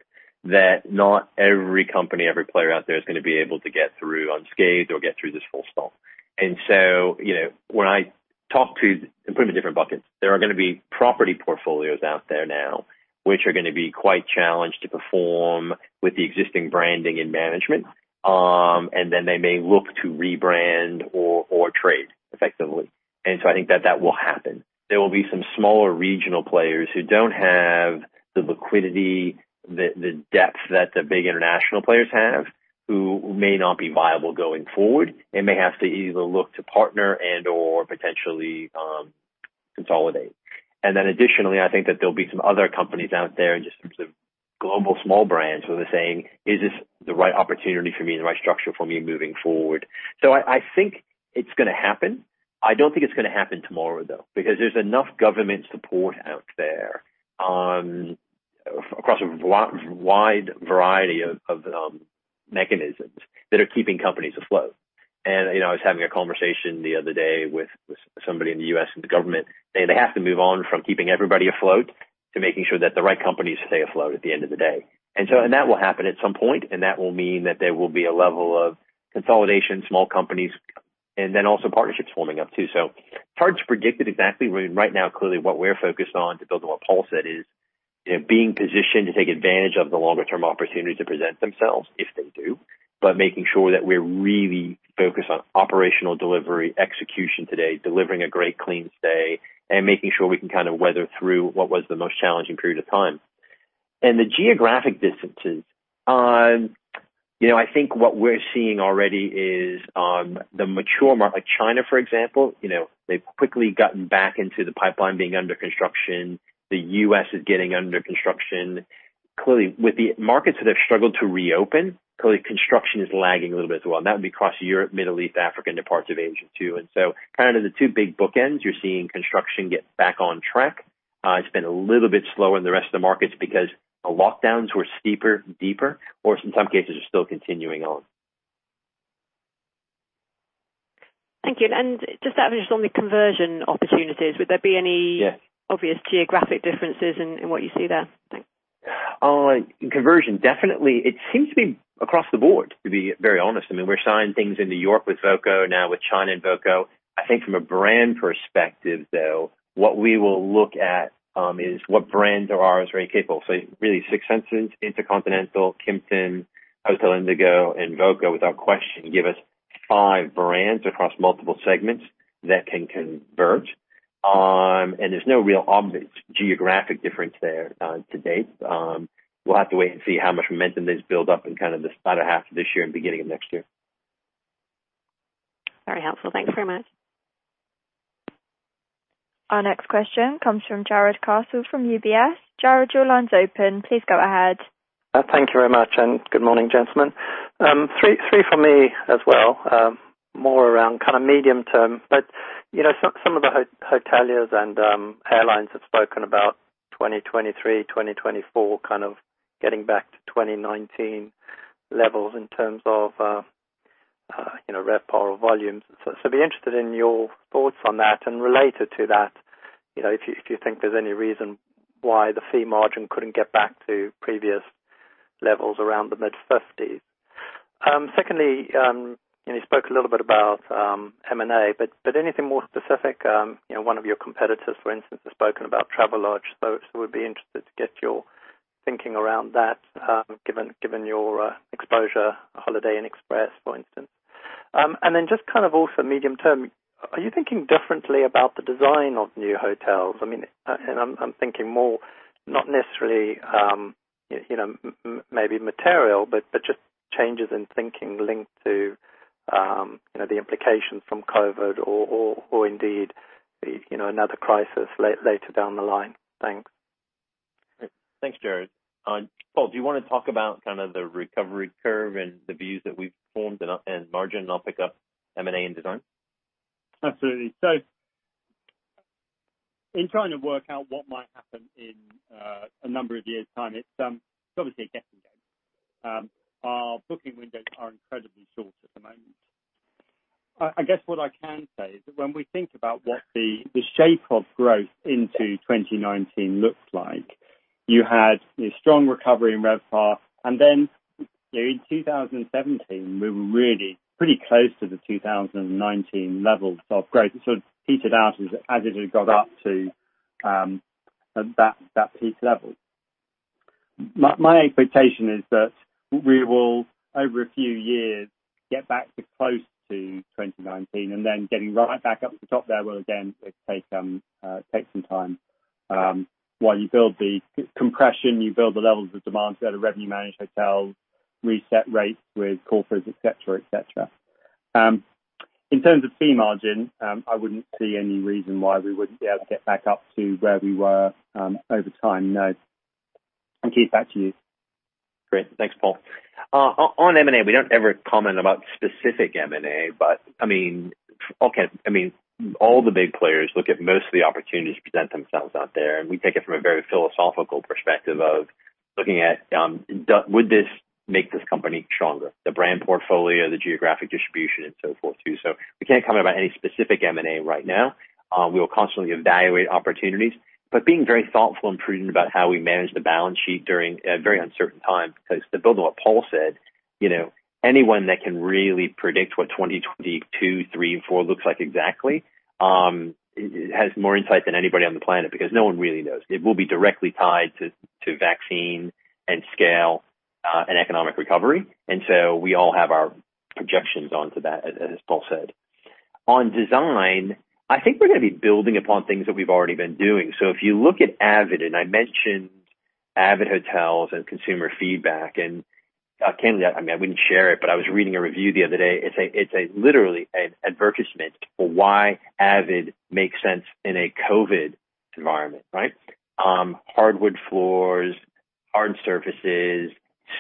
that not every company, every player out there, is gonna be able to get through unscathed or get through this full stop. And so, you know, when I talk to... Put them in different buckets, there are gonna be property portfolios out there now, which are gonna be quite challenged to perform with the existing branding and management, and then they may look to rebrand or, or trade, effectively. And so I think that that will happen. There will be some smaller regional players who don't have the liquidity, the depth that the big international players have, who may not be viable going forward, and may have to either look to partner and/or potentially, consolidate. And then additionally, I think that there'll be some other companies out there and just sort of global small brands, where they're saying, "Is this the right opportunity for me and the right structure for me moving forward?" So I think it's gonna happen. I don't think it's gonna happen tomorrow, though, because there's enough government support out there, across a wide, wide variety of mechanisms that are keeping companies afloat. And, you know, I was having a conversation the other day with somebody in the U.S., in the government. They have to move on from keeping everybody afloat, to making sure that the right companies stay afloat at the end of the day. And so, and that will happen at some point, and that will mean that there will be a level of consolidation, small companies, and then also partnerships forming up, too. So it's hard to predict it exactly, when right now, clearly, what we're focused on, to build on what Paul said, is, you know, being positioned to take advantage of the longer term opportunities that present themselves, if they do, but making sure that we're really focused on operational delivery, execution today, delivering a great, clean stay, and making sure we can kind of weather through what was the most challenging period of time. And the geographic differences, you know, I think what we're seeing already is, the mature market, like China, for example, you know, they've quickly gotten back into the pipeline being under construction. The U.S. is getting under construction. Clearly, with the markets that have struggled to reopen, clearly construction is lagging a little bit as well, and that would be across Europe, Middle East, Africa, into parts of Asia, too. And so kind of the two big bookends, you're seeing construction get back on track. It's been a little bit slower in the rest of the markets because the lockdowns were steeper, deeper, or in some cases are still continuing on. Thank you. Just average on the conversion opportunities, would there be any- Yeah. obvious geographic differences in what you see there? Thanks. In conversion, definitely. It seems to be across the board, to be very honest. I mean, we're signing things in New York with voco, now with China and voco. I think from a brand perspective, though, what we will look at is what brands are already capable. So really, Six Senses, InterContinental, Kimpton, Hotel Indigo, and voco, without question, give us five brands across multiple segments that can convert. And there's no real obvious geographic difference there, to date. We'll have to wait and see how much momentum this build up in kind of the latter half of this year and beginning of next year. Very helpful. Thanks very much. Our next question comes from Jarrod Castle, from UBS. Jarrod, your line's open. Please go ahead. Thank you very much, and good morning, gentlemen. Three, three for me as well. More around kind of medium term, but, you know, some of the hoteliers and airlines have spoken about 2023, 2024, kind of getting back to 2019 levels in terms of, you know, RevPAR volumes. So be interested in your thoughts on that. And related to that, you know, if you think there's any reason why the fee margin couldn't get back to previous levels around the mid-fifties? Secondly, you know, you spoke a little bit about M&A, but anything more specific, you know, one of your competitors, for instance, has spoken about Travelodge, so we'd be interested to get your thinking around that, given your exposure to Holiday Inn Express, for instance. And then just kind of also medium term, are you thinking differently about the design of new hotels? I mean, and I'm thinking more, not necessarily, you know, maybe material, but just changes in thinking linked to, you know, the implications from COVID or indeed, you know, another crisis later down the line. Thanks. Thanks, Jarrod. Paul, do you want to talk about kind of the recovery curve and the views that we've formed in margin? I'll pick up M&A and design. Absolutely. So in trying to work out what might happen in a number of years' time, it's obviously a guessing game. Our booking windows are incredibly short at the moment. I guess what I can say is that when we think about what the shape of growth into 2019 looked like, you had a strong recovery in RevPAR, and then in 2017, we were really pretty close to the 2019 levels of growth. It sort of peaked out as it had got up to that peak level. My expectation is that we will, over a few years, get back to close to 2019 and then getting right back up to the top there will again take some time. While you build the compression, you build the levels of demand to go to revenue manage hotels, reset rates with corporate, et cetera, et cetera. In terms of fee margin, I wouldn't see any reason why we wouldn't be able to get back up to where we were, over time, no. And Keith, back to you. Great. Thanks, Paul. On M&A, we don't ever comment about specific M&A, but I mean, okay, I mean, all the big players look at most of the opportunities to present themselves out there, and we take it from a very philosophical perspective of looking at would this make this company stronger? The brand portfolio, the geographic distribution, and so forth, too. So we can't comment about any specific M&A right now. We will constantly evaluate opportunities, but being very thoughtful and prudent about how we manage the balance sheet during a very uncertain time, because to build on what Paul said, you know, anyone that can really predict what 2022, 2023, and 2024 looks like exactly has more insight than anybody on the planet, because no one really knows. It will be directly tied to vaccine and scale and economic recovery, and so we all have our projections onto that, as Paul said. On design, I think we're gonna be building upon things that we've already been doing. So if you look at Avid, and I mentioned Avid Hotels and consumer feedback, and candidly, I mean, I wouldn't share it, but I was reading a review the other day. It's literally an advertisement for why Avid makes sense in a COVID environment, right? Hardwood floors, hard surfaces,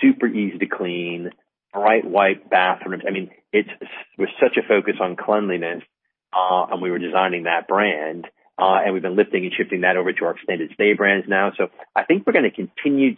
super easy to clean, bright white bathrooms. I mean, it's with such a focus on cleanliness, and we were designing that brand, and we've been lifting and shifting that over to our extended stay brands now. So I think we're gonna continue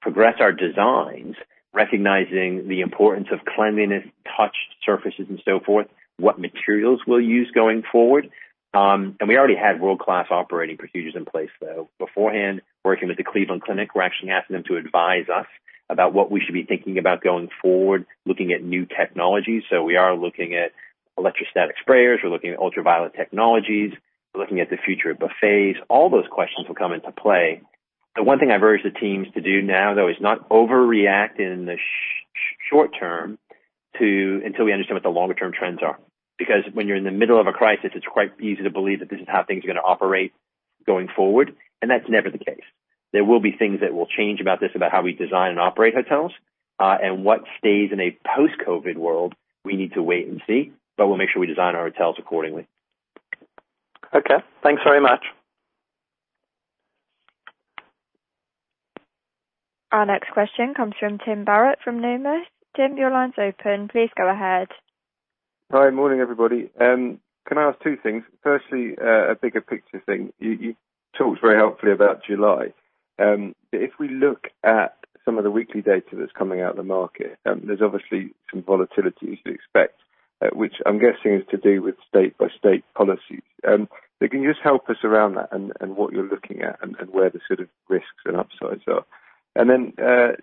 to progress our designs, recognizing the importance of cleanliness, touched surfaces, and so forth, what materials we'll use going forward. And we already had world-class operating procedures in place, though, beforehand. Working with the Cleveland Clinic, we're actually asking them to advise us about what we should be thinking about going forward, looking at new technologies. So we are looking at electrostatic sprayers, we're looking at ultraviolet technologies, we're looking at the future of buffets. All those questions will come into play. The one thing I've urged the teams to do now, though, is not overreact in the short term to... until we understand what the longer term trends are. Because when you're in the middle of a crisis, it's quite easy to believe that this is how things are gonna operate going forward, and that's never the case. There will be things that will change about this, about how we design and operate hotels, and what stays in a post-COVID world. We need to wait and see, but we'll make sure we design our hotels accordingly. Okay, thanks very much. Our next question comes from Tim Barrett, from Numis. Tim, your line's open, please go ahead. Hi, morning, everybody. Can I ask two things? Firstly, a bigger picture thing. You, you've talked very helpfully about July. If we look at some of the weekly data that's coming out of the market, there's obviously some volatility as you'd expect, which I'm guessing is to do with state by state policies. But can you just help us around that, and what you're looking at, and where the sort of risks and upsides are? And then,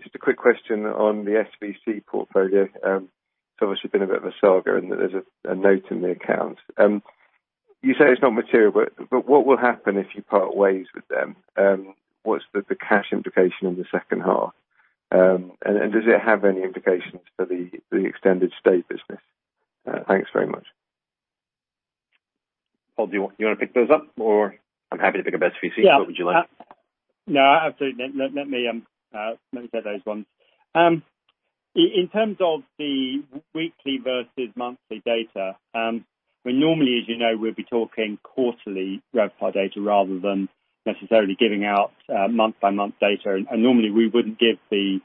just a quick question on the SVC portfolio. It's obviously been a bit of a saga in that there's a note in the account. You say it's not material, but what will happen if you part ways with them? What's the cash implication in the second half? Does it have any implications for the extended stay business? Thanks very much. Paul, do you want, you wanna pick those up, or... I'm happy to pick up SVC- Yeah. What would you like? No, absolutely. Let me get those ones. In terms of the weekly versus monthly data, well, normally, as you know, we'll be talking quarterly RevPAR data, rather than necessarily giving out month-by-month data, and normally we wouldn't give the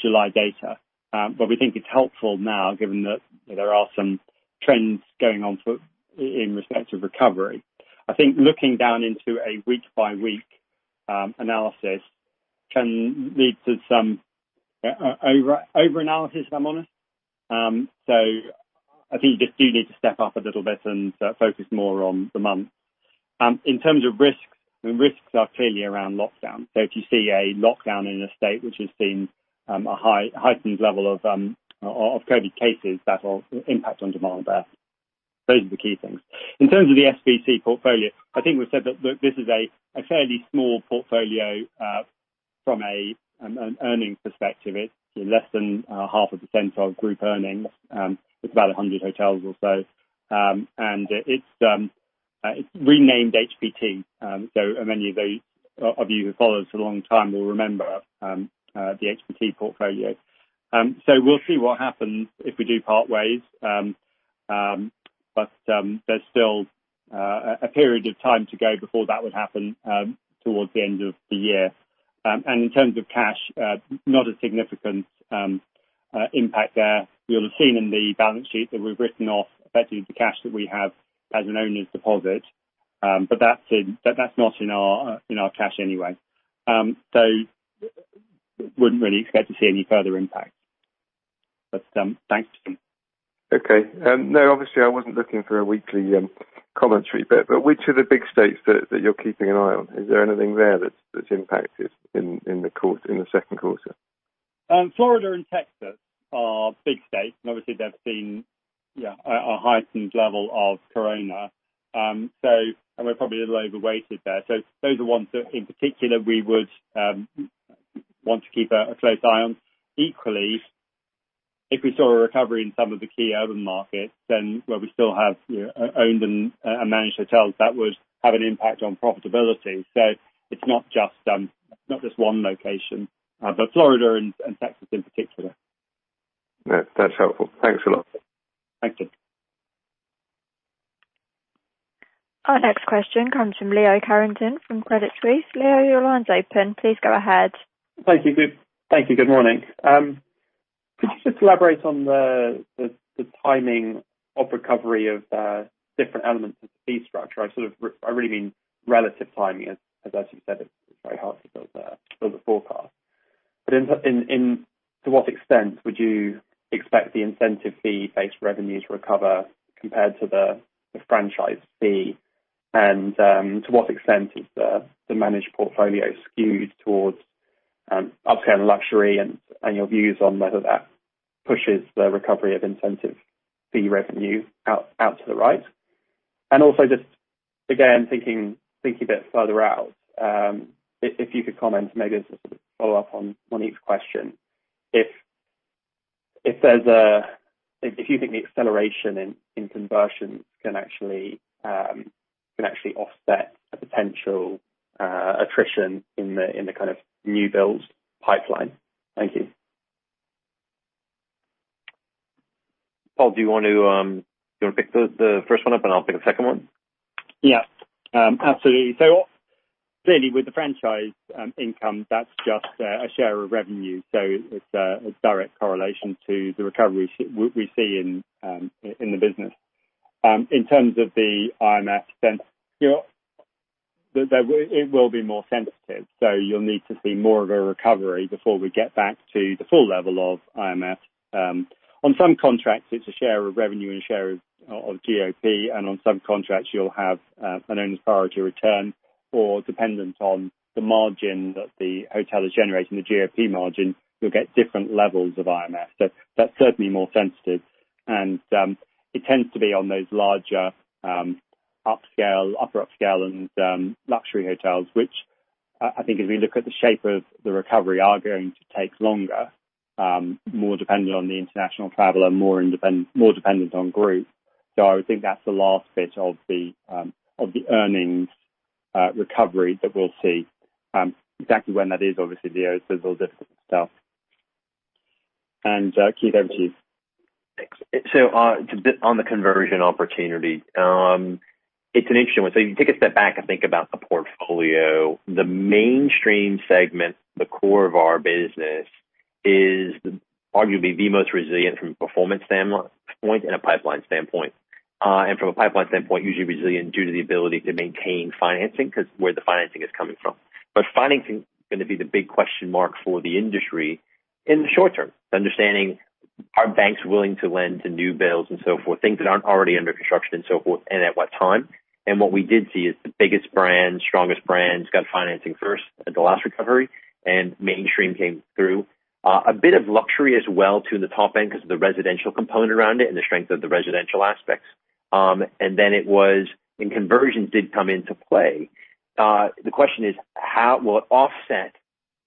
July data. But we think it's helpful now, given that there are some trends going on for in respective recovery. I think looking down into a week-by-week analysis can lead to some over analysis, if I'm honest. So I think you just do need to step up a little bit and focus more on the month. In terms of risks, the risks are clearly around lockdown. So if you see a lockdown in a state which has seen a heightened level of COVID cases, that will impact on demand there. Those are the key things. In terms of the SVC portfolio, I think we've said that this is a fairly small portfolio from an earnings perspective. It's less than 0.5% of group earnings. It's about 100 hotels or so. And it's renamed HPT. So, and many of you who followed us a long time will remember the HPT portfolio. So we'll see what happens if we do part ways. But there's still a period of time to go before that would happen towards the end of the year. In terms of cash, not a significant impact there. You'll have seen in the balance sheet that we've written off effectively the cash that we have as an owner's deposit, but that's not in our cash anyway. Wouldn't really expect to see any further impact. But thanks, Tim. Okay. No, obviously I wasn't looking for a weekly commentary bit, but which are the big states that you're keeping an eye on? Is there anything there that's impacted in the course in the second quarter? Florida and Texas are big states, and obviously they've seen a heightened level of corona. So we're probably a little overweighted there. Those are the ones that, in particular, we would want to keep a close eye on. Equally, if we saw a recovery in some of the key urban markets, then where we still have owned and managed hotels, that would have an impact on profitability. So it's not just one location, but Florida and Texas in particular. Yeah, that's helpful. Thanks a lot. Thank you. Our next question comes from Leo Carrington from Credit Suisse. Leo, your line's open, please go ahead. Thank you, good morning. Could you just elaborate on the timing of recovery of different elements of the fee structure? I really mean relative timing, as you said, it's very hard to build a forecast. But to what extent would you expect the incentive fee-based revenue to recover, compared to the franchise fee? And to what extent is the managed portfolio skewed towards upscale and luxury, and your views on whether that pushes the recovery of incentive fee revenue out to the right? And also, just again, thinking a bit further out, if you could comment maybe as a sort of follow-up on each question, if there's a...If you think the acceleration in conversions can actually offset a potential attrition in the kind of new builds pipeline? Thank you. Paul, do you want to do you wanna pick the first one up, and I'll pick the second one? Yeah, absolutely. So clearly, with the franchise income, that's just a share of revenue, so it's a direct correlation to the recovery we see in the business. In terms of the IMF, it will be more sensitive, so you'll need to see more of a recovery before we get back to the full level of IMF. On some contracts, it's a share of revenue and share of GOP, and on some contracts you'll have an owner's priority return or dependent on the margin that the hotel is generating, the GOP margin, you'll get different levels of IMF. So that's certainly more sensitive. It tends to be on those larger, upscale, Upper Upscale and luxury hotels, which I think as we look at the shape of the recovery, are going to take longer, more dependent on the international traveler, more dependent on group. So I would think that's the last bit of the earnings recovery that we'll see. Exactly when that is, obviously, there's all different stuff. And, Keith, over to you. Thanks. So, to build on the conversion opportunity, it's an interesting one. So if you take a step back and think about the portfolio, the mainstream segment, the core of our business, is arguably the most resilient from a performance standpoint and a pipeline standpoint. And from a pipeline standpoint, usually resilient due to the ability to maintain financing, 'cause where the financing is coming from. But financing is gonna be the big question mark for the industry in the short term. Understanding, are banks willing to lend to new builds and so forth, things that aren't already under construction and so forth, and at what time? And what we did see is the biggest brands, strongest brands, got financing first in the last recovery, and mainstream came through. A bit of luxury as well to the top end, 'cause of the residential component around it and the strength of the residential aspects. And then it was... conversions did come into play. The question is, how will it offset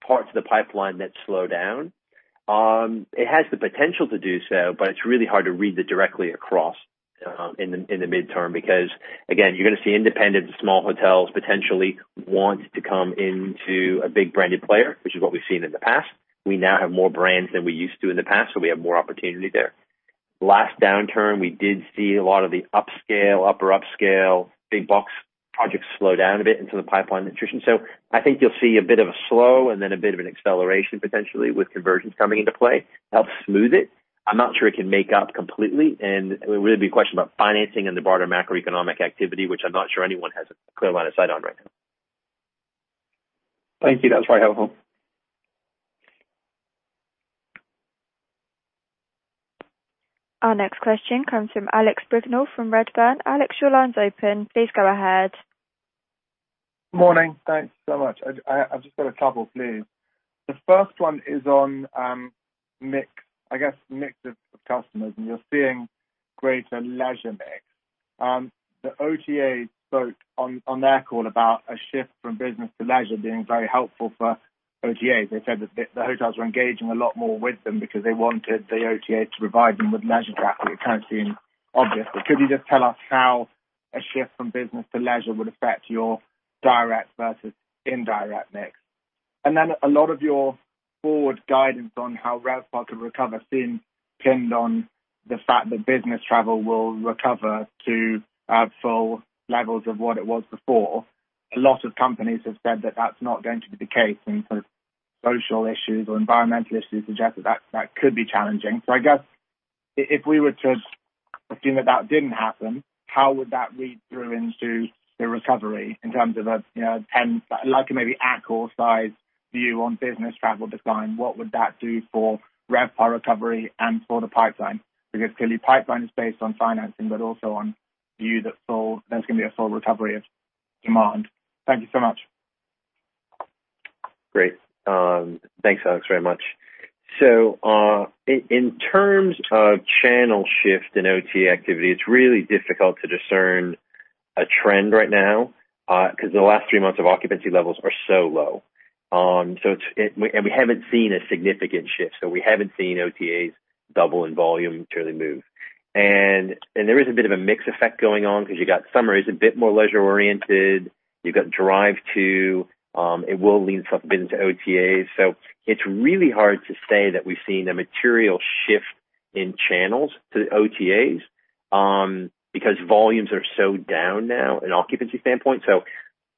parts of the pipeline that slow down? It has the potential to do so, but it's really hard to read the directly across, in the, in the midterm, because again, you're gonna see independent and small hotels potentially want to come into a big branded player, which is what we've seen in the past. We now have more brands than we used to in the past, so we have more opportunity there. Last downturn, we did see a lot of the upscale, Upper Upscale, big box projects slow down a bit into the pipeline attrition. I think you'll see a bit of a slow and then a bit of an acceleration, potentially, with conversions coming into play. Helps smooth it. I'm not sure it can make up completely, and it would really be a question about financing and the broader macroeconomic activity, which I'm not sure anyone has a clear line of sight on right now. Thank you. That was very helpful. Our next question comes from Alex Brignall, from Redburn. Alex, your line's open. Please go ahead. Morning. Thanks so much. I, I've just got a couple, please. The first one is on mix of customers, and you're seeing greater leisure mix. The OTA spoke on their call about a shift from business to leisure being very helpful for OTAs. They said that the hotels were engaging a lot more with them because they wanted the OTA to provide them with leisure travel. It kind of seemed obvious, but could you just tell us how a shift from business to leisure would affect your direct versus indirect mix? And then a lot of your forward guidance on how RevPAR could recover seemed pinned on the fact that business travel will recover to full levels of what it was before. A lot of companies have said that that's not going to be the case, and sort of social issues or environmental issues suggest that that could be challenging. So I guess if we were to assume that that didn't happen, how would that read through into the recovery in terms of a, you know, then like a maybe Accor-sized view on business travel decline? What would that do for RevPAR recovery and for the pipeline? Because clearly, pipeline is based on financing, but also on view that full, there's gonna be a full recovery of demand. Thank you so much. Great. Thanks, Alex, very much. So, in terms of channel shift in OTA activity, it's really difficult to discern a trend right now, 'cause the last three months of occupancy levels are so low. So it's... and we haven't seen a significant shift, so we haven't seen OTAs double in volume to really move. And, and there is a bit of a mix effect going on, because you've got summer is a bit more leisure oriented, you've got drive to, it will lean stuff a bit into OTAs. So it's really hard to say that we've seen a material shift in channels to the OTAs, because volumes are so down now in occupancy standpoint. So,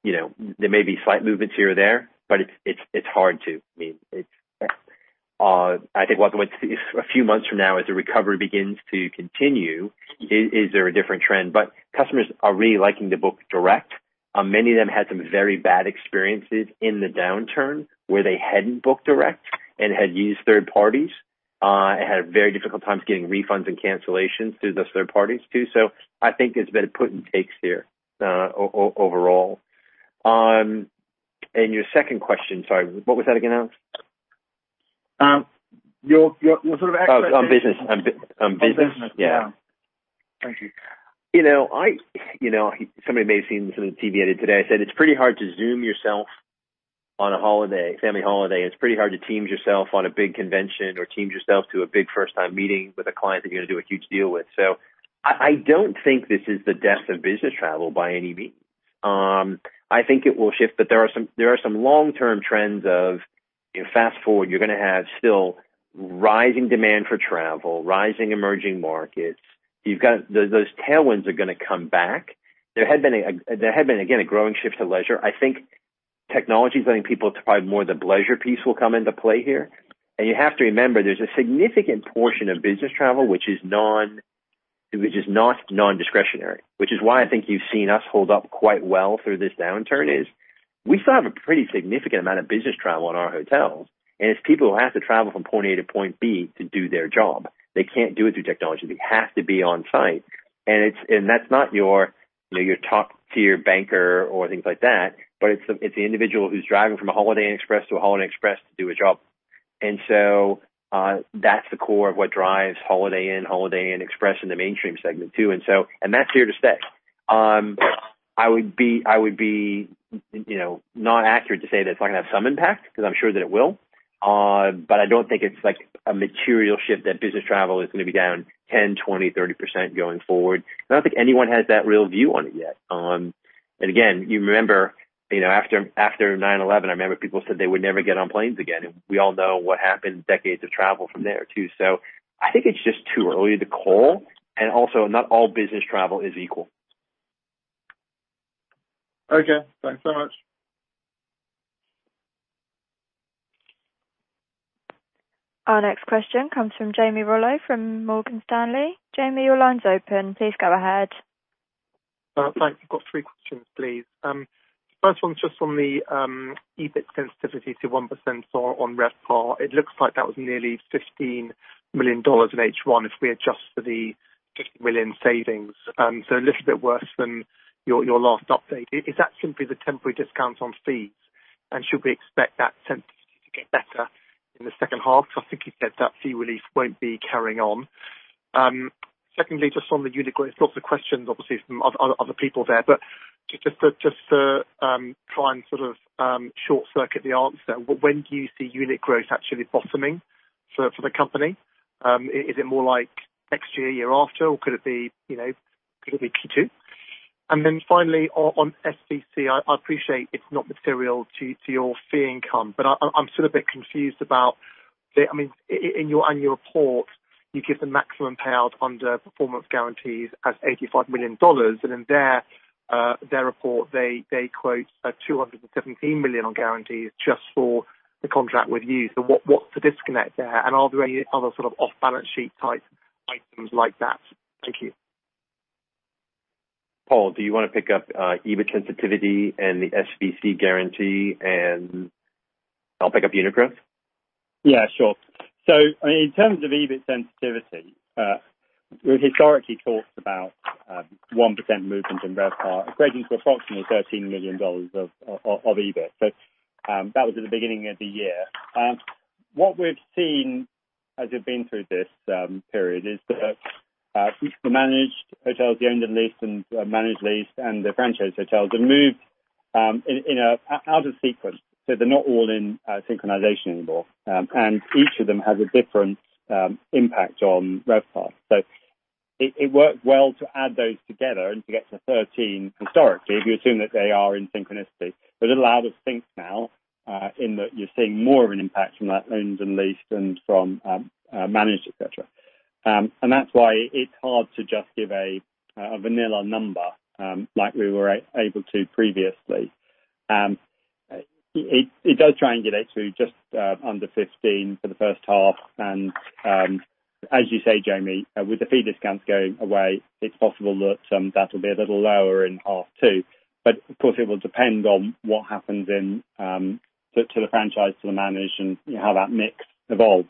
you know, there may be slight movements here or there, but it's, it's, it's hard to... I mean, it's I think what we'll see a few months from now as the recovery begins to continue, is there a different trend? But customers are really liking to book direct. Many of them had some very bad experiences in the downturn, where they hadn't booked direct and had used third parties, and had very difficult times getting refunds and cancellations through those third parties, too. So I think there's been a put and takes here, overall. And your second question, sorry, what was that again, Alex? Your sort of exit- Oh, on business. On business. On business. Yeah. Thank you. You know, You know, somebody may have seen some of the TV I did today. I said it's pretty hard to Zoom yourself on a holiday, family holiday. It's pretty hard to Teams yourself on a big convention or Teams yourself to a big first time meeting with a client you're gonna do a huge deal with. So I, I don't think this is the death of business travel by any means. I think it will shift, but there are some, there are some long-term trends. You fast forward, you're gonna have still rising demand for travel, rising emerging markets. Those, those tailwinds are gonna come back. There had been a, there had been, again, a growing shift to leisure. I think technology is letting people to try more of the leisure piece will come into play here. You have to remember, there's a significant portion of business travel, which is non-discretionary, which is why I think you've seen us hold up quite well through this downturn. We still have a pretty significant amount of business travel in our hotels, and it's people who have to travel from point A to point B to do their job. They can't do it through technology. They have to be on site. And it's, and that's not your, you know, your top-tier banker or things like that, but it's the individual who's driving from a Holiday Inn Express to a Holiday Inn Express to do a job. And so, that's the core of what drives Holiday Inn, Holiday Inn Express in the mainstream segment, too. And so, and that's here to stay. I would be, you know, not accurate to say that it's not gonna have some impact, because I'm sure that it will. But I don't think it's like a material shift, that business travel is gonna be down 10, 20, 30% going forward. I don't think anyone has that real view on it yet. And again, you remember, you know, after 9/11, I remember people said they would never get on planes again, and we all know what happened, decades of travel from there, too. So I think it's just too early to call, and also not all business travel is equal. Okay. Thanks so much. Our next question comes from Jamie Rollo from Morgan Stanley. Jamie, your line's open. Please go ahead. Thanks. I've got three questions, please. First one's just on the EBIT sensitivity to 1% change on RevPAR. It looks like that was nearly $15 million in H1, if we adjust for the $1 million savings. So a little bit worse than your last update. Is that simply the temporary discount on fees? And should we expect that sensitivity to get better in the second half? Because I think you said that fee relief won't be carrying on. Secondly, just on the unit growth, lots of questions obviously from other people there, but just to try and sort of short circuit the answer, when do you see unit growth actually bottoming for the company? Is it more like next year, year after, or could it be, you know, could it be Q2? And then finally, on SVC, I appreciate it's not material to your fee income, but I'm still a bit confused about the... I mean, in your annual report, you give the maximum payout under performance guarantees as $85 million, and in their report, they quote $217 million on guarantees just for the contract with you. So what's the disconnect there? And are there any other sort of off-balance-sheet type items like that? Thank you. Paul, do you wanna pick up, EBIT sensitivity and the SVC guarantee, and I'll pick up unit growth? Yeah, sure. So in terms of EBIT sensitivity, we've historically talked about, 1% movement in RevPAR equating to approximately $13 million of EBIT. So, that was at the beginning of the year. What we've seen as we've been through this period is that, the managed hotels, the owned and leased and, managed lease and the franchise hotels, have moved, in an out of sequence. So they're not all in synchronization anymore. And each of them has a different impact on RevPAR. So it worked well to add those together and to get to 13 historically, if you assume that they are in synchronicity, but it's a little out of sync now, in that you're seeing more of an impact from that owned and leased and from managed, et cetera. And that's why it's hard to just give a vanilla number, like we were able to previously. It does triangulate to just under 15 for the first half. And, as you say, Jamie, with the fee discounts going away, it's possible that that will be a little lower in half, too. But of course, it will depend on what happens to the franchise, to the managed, and how that mix evolves.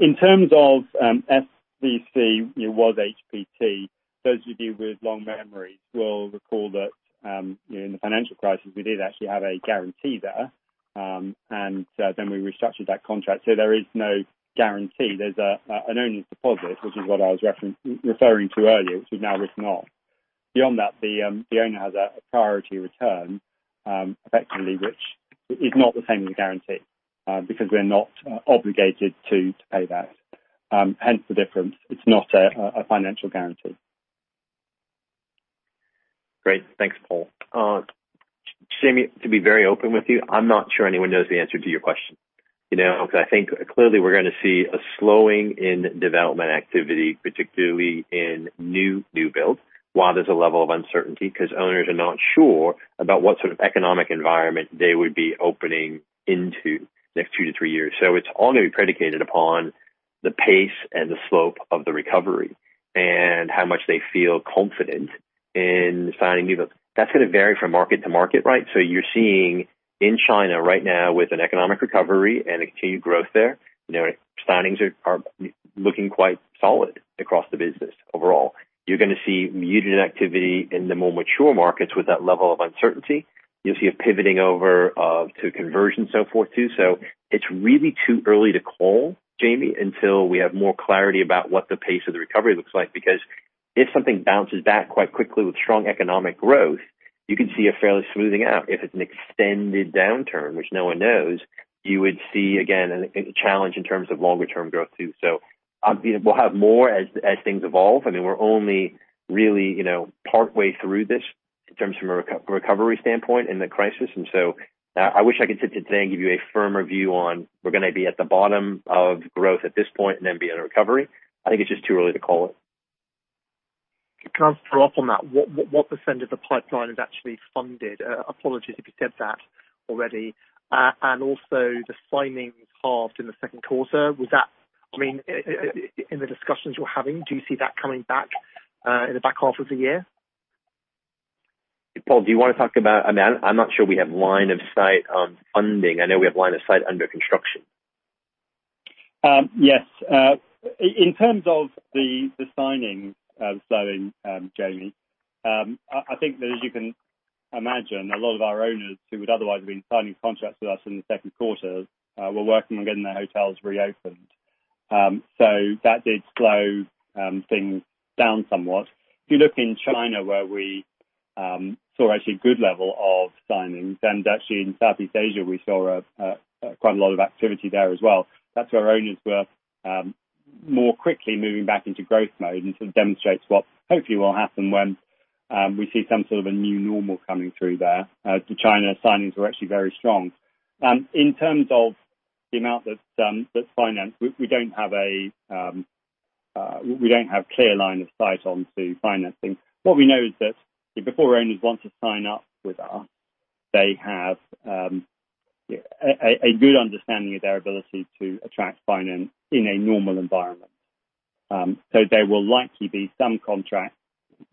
In terms of SVC, it was HPT. Those of you with long memories will recall that, in the financial crisis, we did actually have a guarantee there, and then we restructured that contract. So there is no guarantee. There's an earnest deposit, which is what I was referring to earlier, which is now written off. Beyond that, the owner has a priority return, effectively, which is not the same as a guarantee, because we're not obligated to pay that. Hence the difference. It's not a financial guarantee. Great. Thanks, Paul. Jamie, to be very open with you, I'm not sure anyone knows the answer to your question. You know, because I think clearly we're gonna see a slowing in development activity, particularly in new, new builds, while there's a level of uncertainty, because owners are not sure about what sort of economic environment they would be opening into the next two to three years. So it's all going to be predicated upon the pace and the slope of the recovery, and how much they feel confident in signing deals. That's gonna vary from market to market, right? So you're seeing in China right now, with an economic recovery and a continued growth there, you know, signings are, are looking quite solid across the business overall. You're gonna see muted activity in the more mature markets with that level of uncertainty. You'll see a pivoting over to conversion, so forth, too. So it's really too early to call, Jamie, until we have more clarity about what the pace of the recovery looks like, because if something bounces back quite quickly with strong economic growth, you can see a fairly smoothing out. If it's an extended downturn, which no one knows, you would see again a challenge in terms of longer term growth, too. So we'll have more as things evolve. I mean, we're only really, you know, partway through this in terms from a recovery standpoint in the crisis. And so I wish I could sit here today and give you a firmer view on, we're gonna be at the bottom of growth at this point, and then be in a recovery. I think it's just too early to call it. Can I just follow up on that? What % of the pipeline is actually funded? Apologies if you said that already. And also the signings halved in the second quarter. Was that, I mean, in the discussions you're having, do you see that coming back in the back half of the year? Paul, do you wanna talk about...? I mean, I'm, I'm not sure we have line of sight on funding. I know we have line of sight under construction. Yes. In terms of the signing slowing, Jamie, I think that as you can imagine, a lot of our owners who would otherwise have been signing contracts with us in the second quarter were working on getting their hotels reopened. So that did slow things down somewhat. If you look in China, where we saw actually a good level of signings, and actually in Southeast Asia, we saw quite a lot of activity there as well. That's where owners were more quickly moving back into growth mode, and sort of demonstrates what hopefully will happen when we see some sort of a new normal coming through there. To China, signings were actually very strong. In terms of the amount that's financed, we don't have clear line of sight onto financing. What we know is that, before owners want to sign up with us, they have a good understanding of their ability to attract finance in a normal environment. So there will likely be some contracts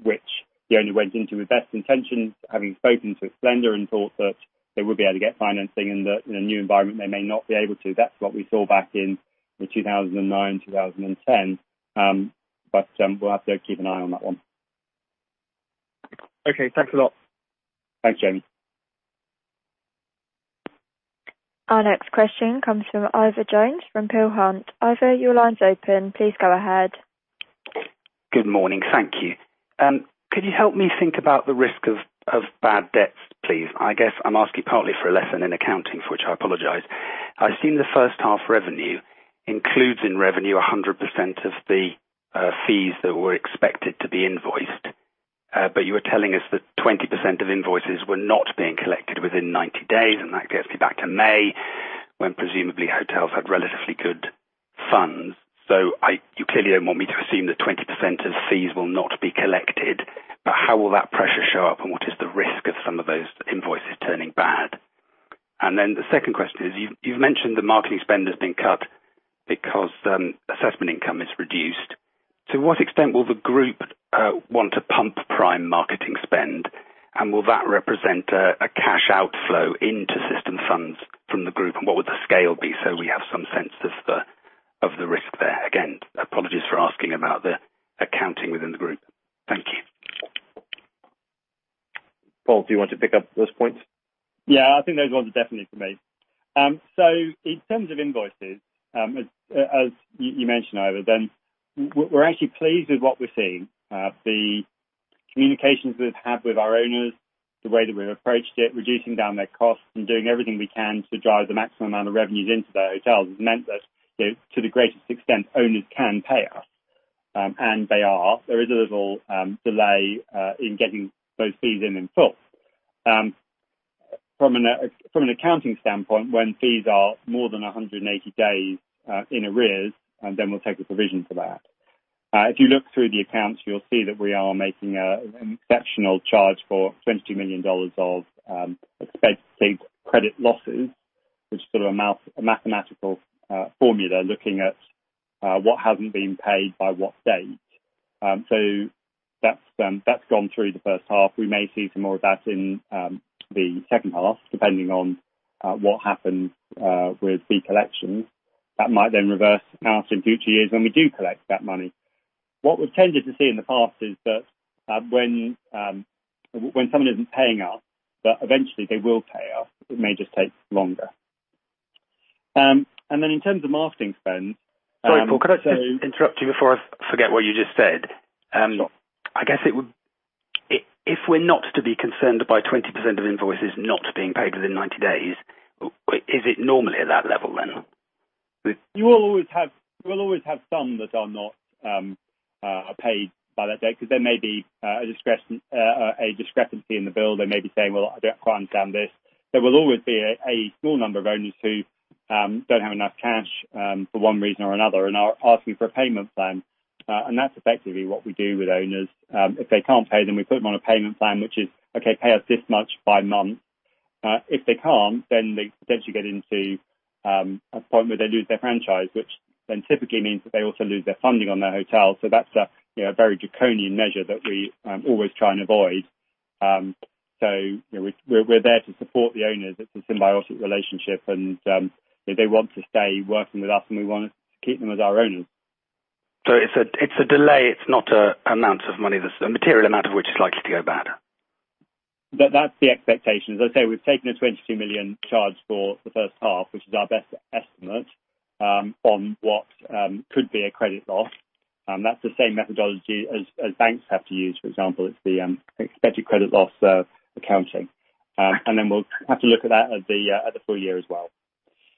which the owner went into with best intentions, having spoken to a lender and thought that they would be able to get financing in a new environment, they may not be able to. That's what we saw back in 2009, 2010. But we'll have to keep an eye on that one. Okay. Thanks a lot. Thanks, Jamie. Our next question comes from Ivor Jones from Peel Hunt. Ivor, your line's open. Please go ahead. Good morning. Thank you. Could you help me think about the risk of bad debts, please? I guess I'm asking partly for a lesson in accounting, for which I apologize. I've seen the first half revenue includes in revenue 100% of the fees that were expected to be invoiced. But you were telling us that 20% of invoices were not being collected within 90 days, and that gets me back to May, when presumably hotels had relatively good funds. You clearly don't want me to assume that 20% of fees will not be collected, but how will that pressure show up? And what is the risk of some of those invoices turning bad? And then the second question is, you've mentioned the marketing spend has been cut because assessment income is reduced. To what extent will the group want to pump prime marketing spend? And will that represent a cash outflow into system funds from the group? And what would the scale be, so we have some sense of the risk there? Again, apologies for asking about the accounting within the group. Thank you. Paul, do you want to pick up those points? Yeah, I think those ones are definitely for me. So in terms of invoices, as you mentioned, Ivor, then we're actually pleased with what we're seeing. The communications we've had with our owners, the way that we've approached it, reducing down their costs and doing everything we can to drive the maximum amount of revenues into their hotels, has meant that, you know, to the greatest extent, owners can pay us, and they are. There is a little delay in getting those fees in full. From an accounting standpoint, when fees are more than 180 days in arrears, and then we'll take a provision for that. If you look through the accounts, you'll see that we are making an exceptional charge for $22 million of expected credit losses, which is sort of a mathematical formula, looking at what hasn't been paid by what date. That's gone through the first half. We may see some more of that in the second half, depending on what happens with the collections. That might then reverse out in future years when we do collect that money. What we've tended to see in the past is that when someone isn't paying us, that eventually they will pay us, it may just take longer. And then in terms of marketing spend, so- Sorry, Paul, could I just interrupt you before I forget what you just said? I guess it would... if we're not to be concerned by 20% of invoices not being paid within 90 days, is it normally at that level, then? You will always have, you will always have some that are not paid by that date, 'cause there may be a discrepancy in the bill. They may be saying, "Well, I don't quite understand this." There will always be a small number of owners who don't have enough cash for one reason or another, and are asking for a payment plan, and that's effectively what we do with owners. If they can't pay, then we put them on a payment plan, which is, "Okay, pay us this much by month." If they can't, then they potentially get into a point where they lose their franchise, which then typically means that they also lose their funding on their hotel. So that's, you know, a very draconian measure that we always try and avoid. So, you know, we're there to support the owners. It's a symbiotic relationship, and they want to stay working with us, and we want to keep them as our owners. So it's a delay, it's not an amount of money that's a material amount of which is likely to go bad? That's the expectation. As I say, we've taken a $22 million charge for the first half, which is our best estimate on what could be a credit loss. That's the same methodology as banks have to use. For example, it's the expected credit loss accounting. And then we'll have to look at that at the full-year as well.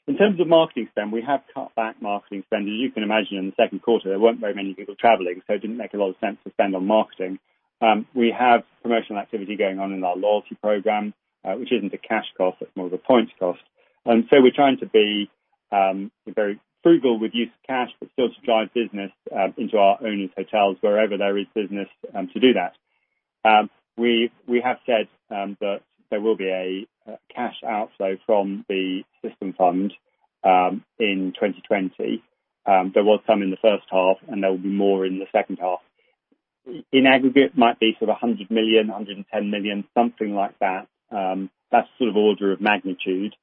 In terms of marketing spend, we have cut back marketing spend. As you can imagine, in the second quarter, there weren't very many people traveling, so it didn't make a lot of sense to spend on marketing. We have promotional activity going on in our loyalty program, which isn't a cash cost, it's more of a points cost. We're trying to be very frugal with use of cash, but still to drive business into our owning hotels wherever there is business to do that. We have said that there will be a cash outflow from the System Fund in 2020. There was some in the first half, and there will be more in the second half. In aggregate, might be sort of $100 million-$110 million, something like that. That's sort of order of magnitude.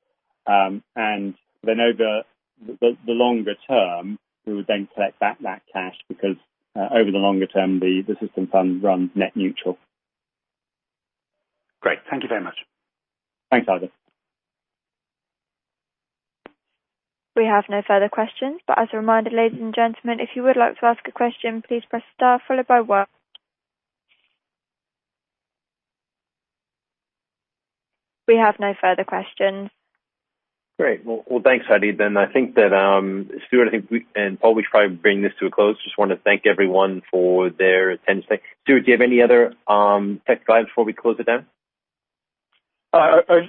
And then over the longer term, we would then collect back that cash, because over the longer term, the System Fund runs net neutral. Great. Thank you very much. Thanks, Ivor. We have no further questions, but as a reminder, ladies and gentlemen, if you would like to ask a question, please press star followed by one. We have no further questions. Great. Well, well, thanks, Heidi. Then I think that, Stuart, I think we, and Paul, we should probably bring this to a close. Just want to thank everyone for their attention. Stuart, do you have any other, tech guides before we close it down?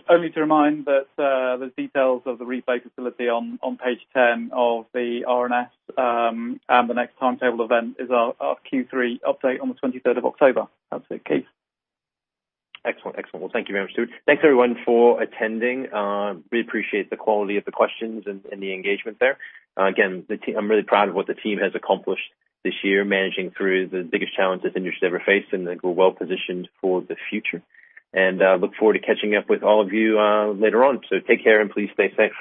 Only to remind that the details of the replay facility on page 10 of the RNS, and the next timetable event is our Q3 update on the October 23rd. That's it, Keith. Excellent. Excellent. Well, thank you very much, Stuart. Thanks everyone for attending, we appreciate the quality of the questions and, and the engagement there. Again, the team... I'm really proud of what the team has accomplished this year, managing through the biggest challenges the industry's ever faced, and I think we're well positioned for the future. And, look forward to catching up with all of you, later on. So take care and please stay safe.